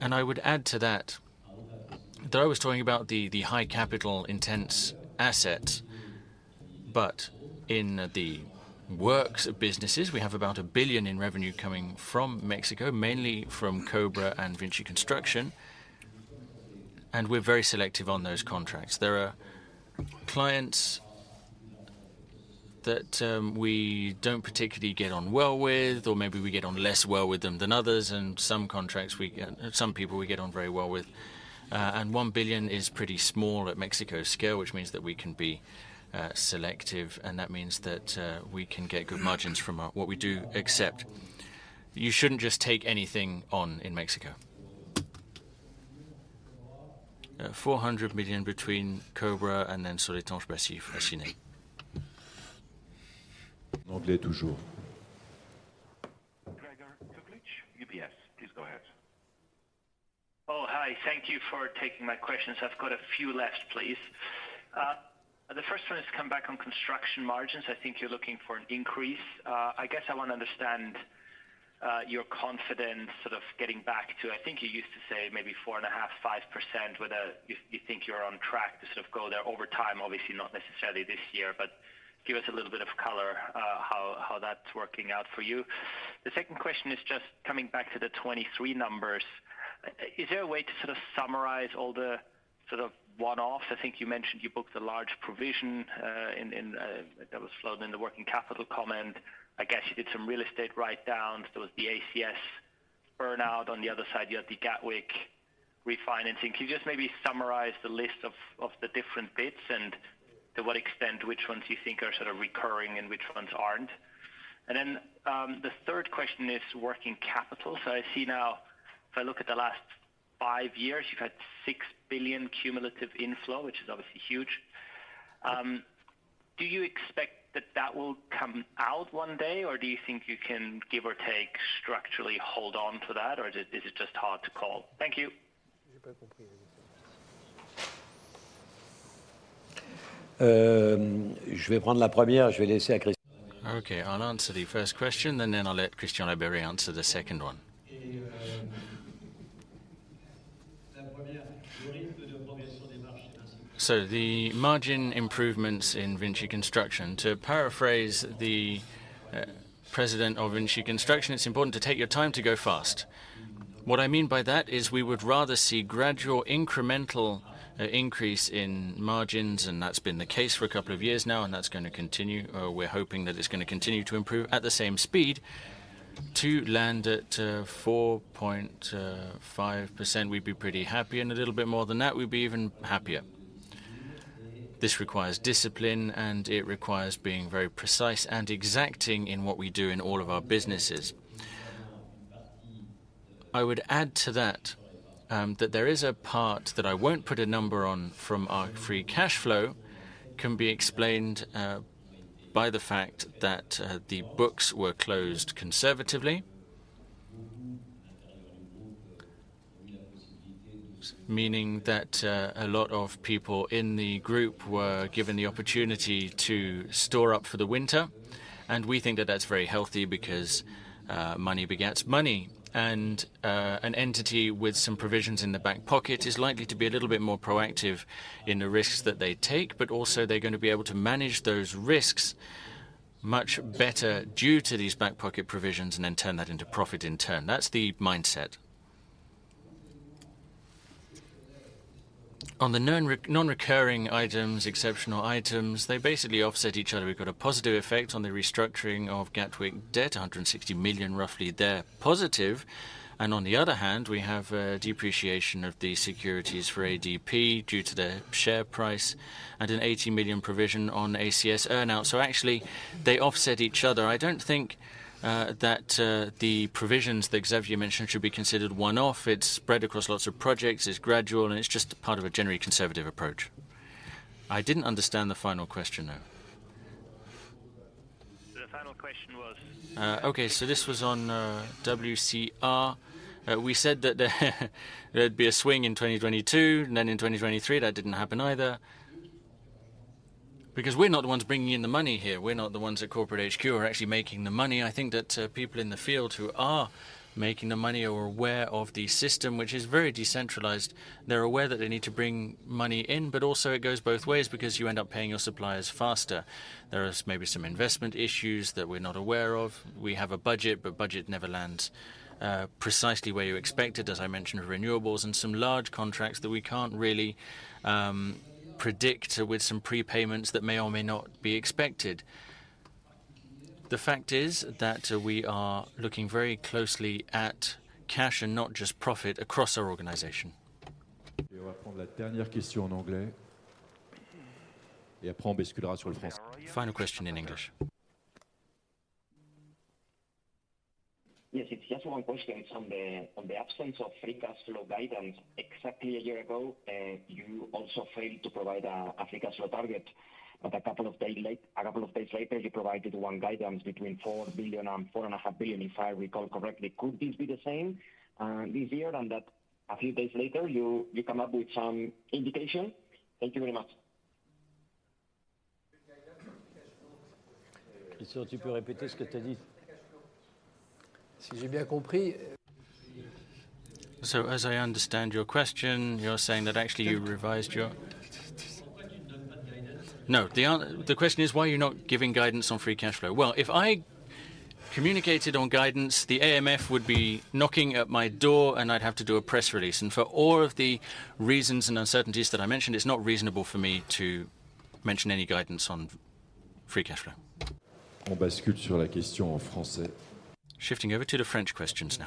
And I would add to that, though I was talking about the high capital-intensive assets, but in the works of businesses, we have about 1 billion in revenue coming from Mexico, mainly from Cobra and VINCI Construction, and we're very selective on those contracts. There are clients that, we don't particularly get on well with, or maybe we get on less well with them than others, and some contracts we get, some people we get on very well with. And one billion is pretty small at Mexico's scale, which means that we can be, selective, and that means that, we can get good margins from our-- what we do, except you shouldn't just take anything on in Mexico. Four hundred million between Cobra and then Soletanche Bachy, Freyssinet. Gregor Kuglitsch, UBS. Please go ahead. Oh, hi. Thank you for taking my questions. I've got a few left, please. The first one is to come back on construction margins. I think you're looking for an increase. I guess I want to understand your confidence, sort of, getting back to... I think you used to say maybe 4.5%, 5%, whether you think you're on track to sort of go there over time, obviously, not necessarily this year. But give us a little bit of color, how that's working out for you. The second question is just coming back to the 2023 numbers. Is there a way to sort of summarize all the, sort of, one-offs? I think you mentioned you booked a large provision, in-- that was floated in the working capital comment. I guess you did some real estate writedowns. There was the ACS burnout. On the other side, you had the Gatwick refinancing. Can you just maybe summarize the list of, of the different bits, and to what extent, which ones you think are sort of recurring and which ones aren't? And then, the third question is working capital. So I see now, if I look at the last five years, you've had 6 billion cumulative inflow, which is obviously huge. Do you expect that that will come out one day, or do you think you can give or take structurally hold on to that, or is it, is it just hard to call? Thank you. You bet. ...Um,. Okay, I'll answer the first question, and then I'll let Christian Labeyrie answer the second one. So the margin improvements in VINCI Construction. To paraphrase the president of VINCI Construction, it's important to take your time to go fast. What I mean by that is we would rather see gradual, incremental, increase in margins, and that's been the case for a couple of years now, and that's gonna continue. We're hoping that it's gonna continue to improve at the same speed. To land at 4.5%, we'd be pretty happy, and a little bit more than that, we'd be even happier. This requires discipline, and it requires being very precise and exacting in what we do in all of our businesses. I would add to that, that there is a part that I won't put a number on from our free cash flow can be explained by the fact that, the books were closed conservatively. Meaning that, a lot of people in the group were given the opportunity to store up for the winter, and we think that that's very healthy because, money begets money. And, an entity with some provisions in the back pocket is likely to be a little bit more proactive in the risks that they take, but also they're gonna be able to manage those risks much better due to these back-pocket provisions and then turn that into profit in turn. That's the mindset. On the nonrecurring items, exceptional items, they basically offset each other. We've got a positive effect on the restructuring of Gatwick debt, 160 million roughly there, positive. And on the other hand, we have a depreciation of the securities for ADP due to the share price and an 80 million provision on ACS earn-out. So actually, they offset each other. I don't think that the provisions that Xavier mentioned should be considered one-off. It's spread across lots of projects, it's gradual, and it's just part of a generally conservative approach. I didn't understand the final question, though. The final question was... Okay, so this was on WCR. We said that there'd be a swing in 2022, and then in 2023, that didn't happen either. Because we're not the ones bringing in the money here. We're not the ones at corporate HQ who are actually making the money. I think that people in the field who are making the money are aware of the system, which is very decentralized. They're aware that they need to bring money in, but also it goes both ways because you end up paying your suppliers faster. There is maybe some investment issues that we're not aware of. We have a budget, but budget never lands precisely where you expect it, as I mentioned, renewables and some large contracts that we can't really predict with some prepayments that may or may not be expected. The fact is that, we are looking very closely at cash and not just profit across our organization.. Final question in English. Yes, it's just one question. It's on the absence of free cash flow guidance. Exactly a year ago, you also failed to provide a free cash flow target, but a couple of days later, you provided one guidance between 4 billion and 4.5 billion, if I recall correctly. Could this be the same this year, and that a few days later, you come up with some indication? Thank you very much. Christian, tu peux répéter ce que tu as dit? Si j'ai bien compris. So as I understand your question, you're saying that actually you revised your... No, the question is, why are you not giving guidance on free cash flow? Well, if I communicated on guidance, the AMF would be knocking at my door, and I'd have to do a press release. For all of the reasons and uncertainties that I mentioned, it's not reasonable for me to mention any guidance on free cash flow.. Shifting over to the French questions now.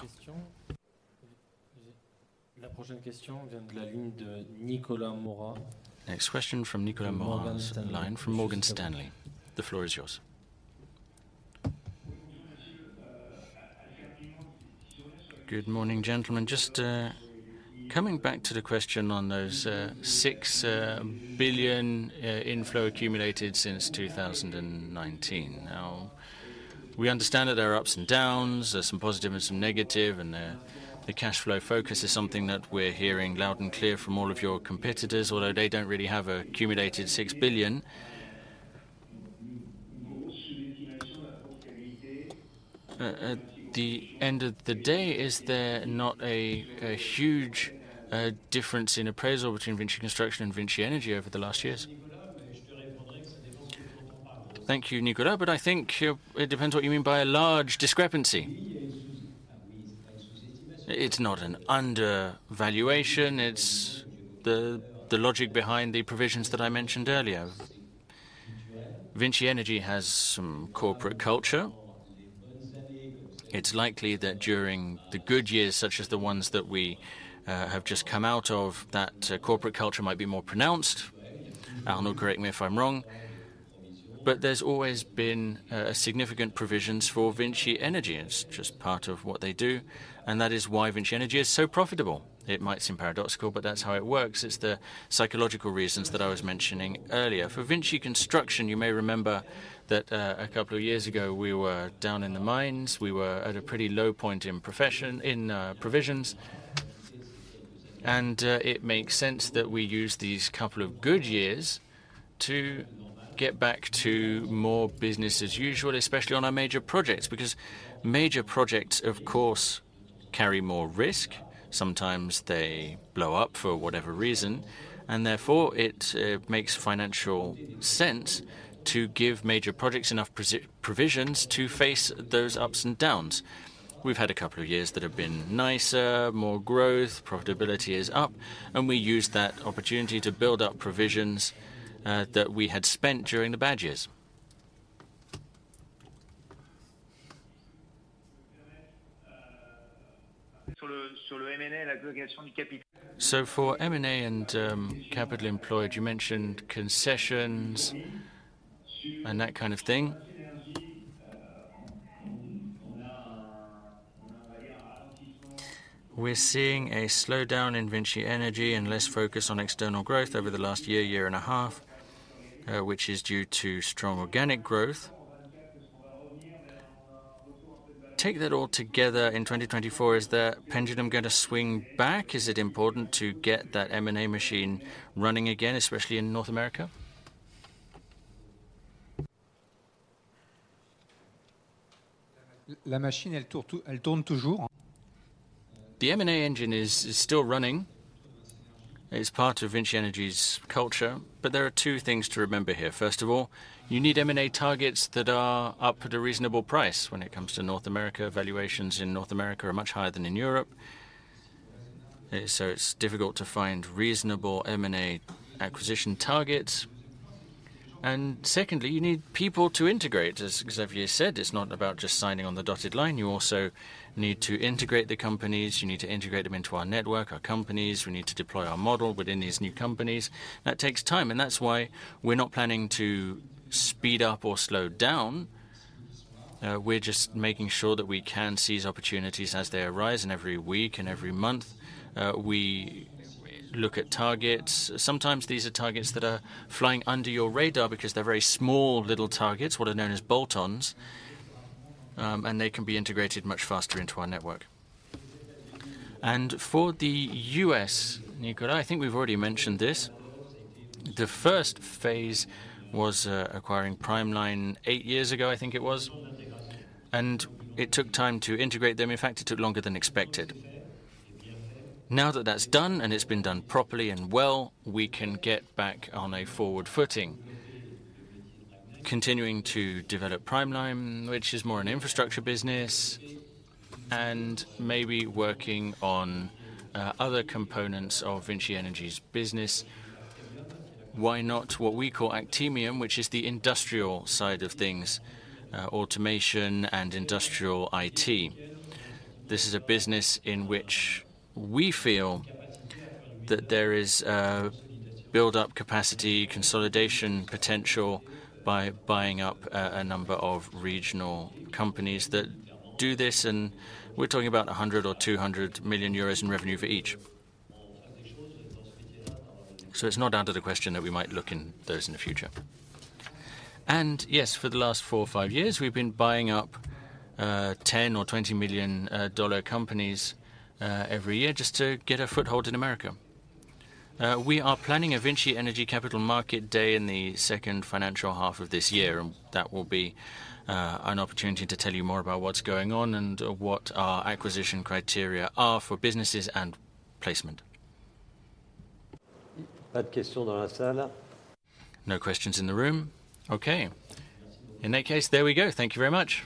Nicolas Mora. Next question from Nicolas Mora's line. Morgan Stanley. From Morgan Stanley. The floor is yours. Good morning, gentlemen. Just coming back to the question on those 6 billion inflow accumulated since 2019. Now, we understand that there are ups and downs, there's some positive and some negative, and the cash flow focus is something that we're hearing loud and clear from all of your competitors, although they don't really have accumulated 6 billion. At the end of the day, is there not a huge difference in appraisal between VINCI Construction and VINCI Energies over the last years? Thank you, Nicolas, but I think your... It depends what you mean by a large discrepancy. It's not an undervaluation, it's the logic behind the provisions that I mentioned earlier. VINCI Energies has some corporate culture. It's likely that during the good years, such as the ones that we have just come out of, that corporate culture might be more pronounced. Arnaud, correct me if I'm wrong, but there's always been significant provisions for VINCI Energies. It's just part of what they do, and that is why VINCI Energies is so profitable. It might seem paradoxical, but that's how it works. It's the psychological reasons that I was mentioning earlier. For VINCI Construction, you may remember that a couple of years ago, we were down in the mines. We were at a pretty low point in provisions. It makes sense that we use these couple of good years to get back to more business as usual, especially on our major projects. Because major projects, of course, carry more risk. Sometimes they blow up for whatever reason, and therefore it makes financial sense to give major projects enough provisions to face those ups and downs. We've had a couple of years that have been nicer, more growth, profitability is up, and we used that opportunity to build up provisions that we had spent during the bad years. So for M&A and capital employed, you mentioned concessions and that kind of thing. We're seeing a slowdown in VINCI Energies and less focus on external growth over the last year, year and a half, which is due to strong organic growth. Take that all together in 2024, is the pendulum going to swing back? Is it important to get that M&A machine running again, especially in North America? The M&A engine is still running. It's part of VINCI Energies's culture. But there are two things to remember here. First of all, you need M&A targets that are up at a reasonable price. When it comes to North America, valuations in North America are much higher than in Europe. So it's difficult to find reasonable M&A acquisition targets. And secondly, you need people to integrate. As Xavier said, it's not about just signing on the dotted line. You also need to integrate the companies. You need to integrate them into our network, our companies. We need to deploy our model within these new companies. That takes time, and that's why we're not planning to speed up or slow down. We're just making sure that we can seize opportunities as they arise. And every week and every month, we look at targets. Sometimes these are targets that are flying under your radar because they're very small, little targets, what are known as bolt-ons, and they can be integrated much faster into our network. And for the U.S., Nicolas, I think we've already mentioned this. The first phase was, acquiring PrimeLine eight years ago, I think it was, and it took time to integrate them. In fact, it took longer than expected. Now that that's done, and it's been done properly and well, we can get back on a forward footing, continuing to develop PrimeLine, which is more an infrastructure business, and maybe working on, other components of VINCI Energies' business. Why not what we call Actemium, which is the industrial side of things, automation and industrial IT? This is a business in which we feel that there is a build-up capacity, consolidation potential by buying up a number of regional companies that do this, and we're talking about 100 million or 200 million euros in revenue for each. So it's not out of the question that we might look in those in the future. And yes, for the last four or five years, we've been buying up ten or twenty million dollar companies every year just to get a foothold in America. We are planning a VINCI Energies Capital Market Day in the second financial half of this year, and that will be an opportunity to tell you more about what's going on and what our acquisition criteria are for businesses and placement. No questions in the room. Okay. In that case, there we go. Thank you very much!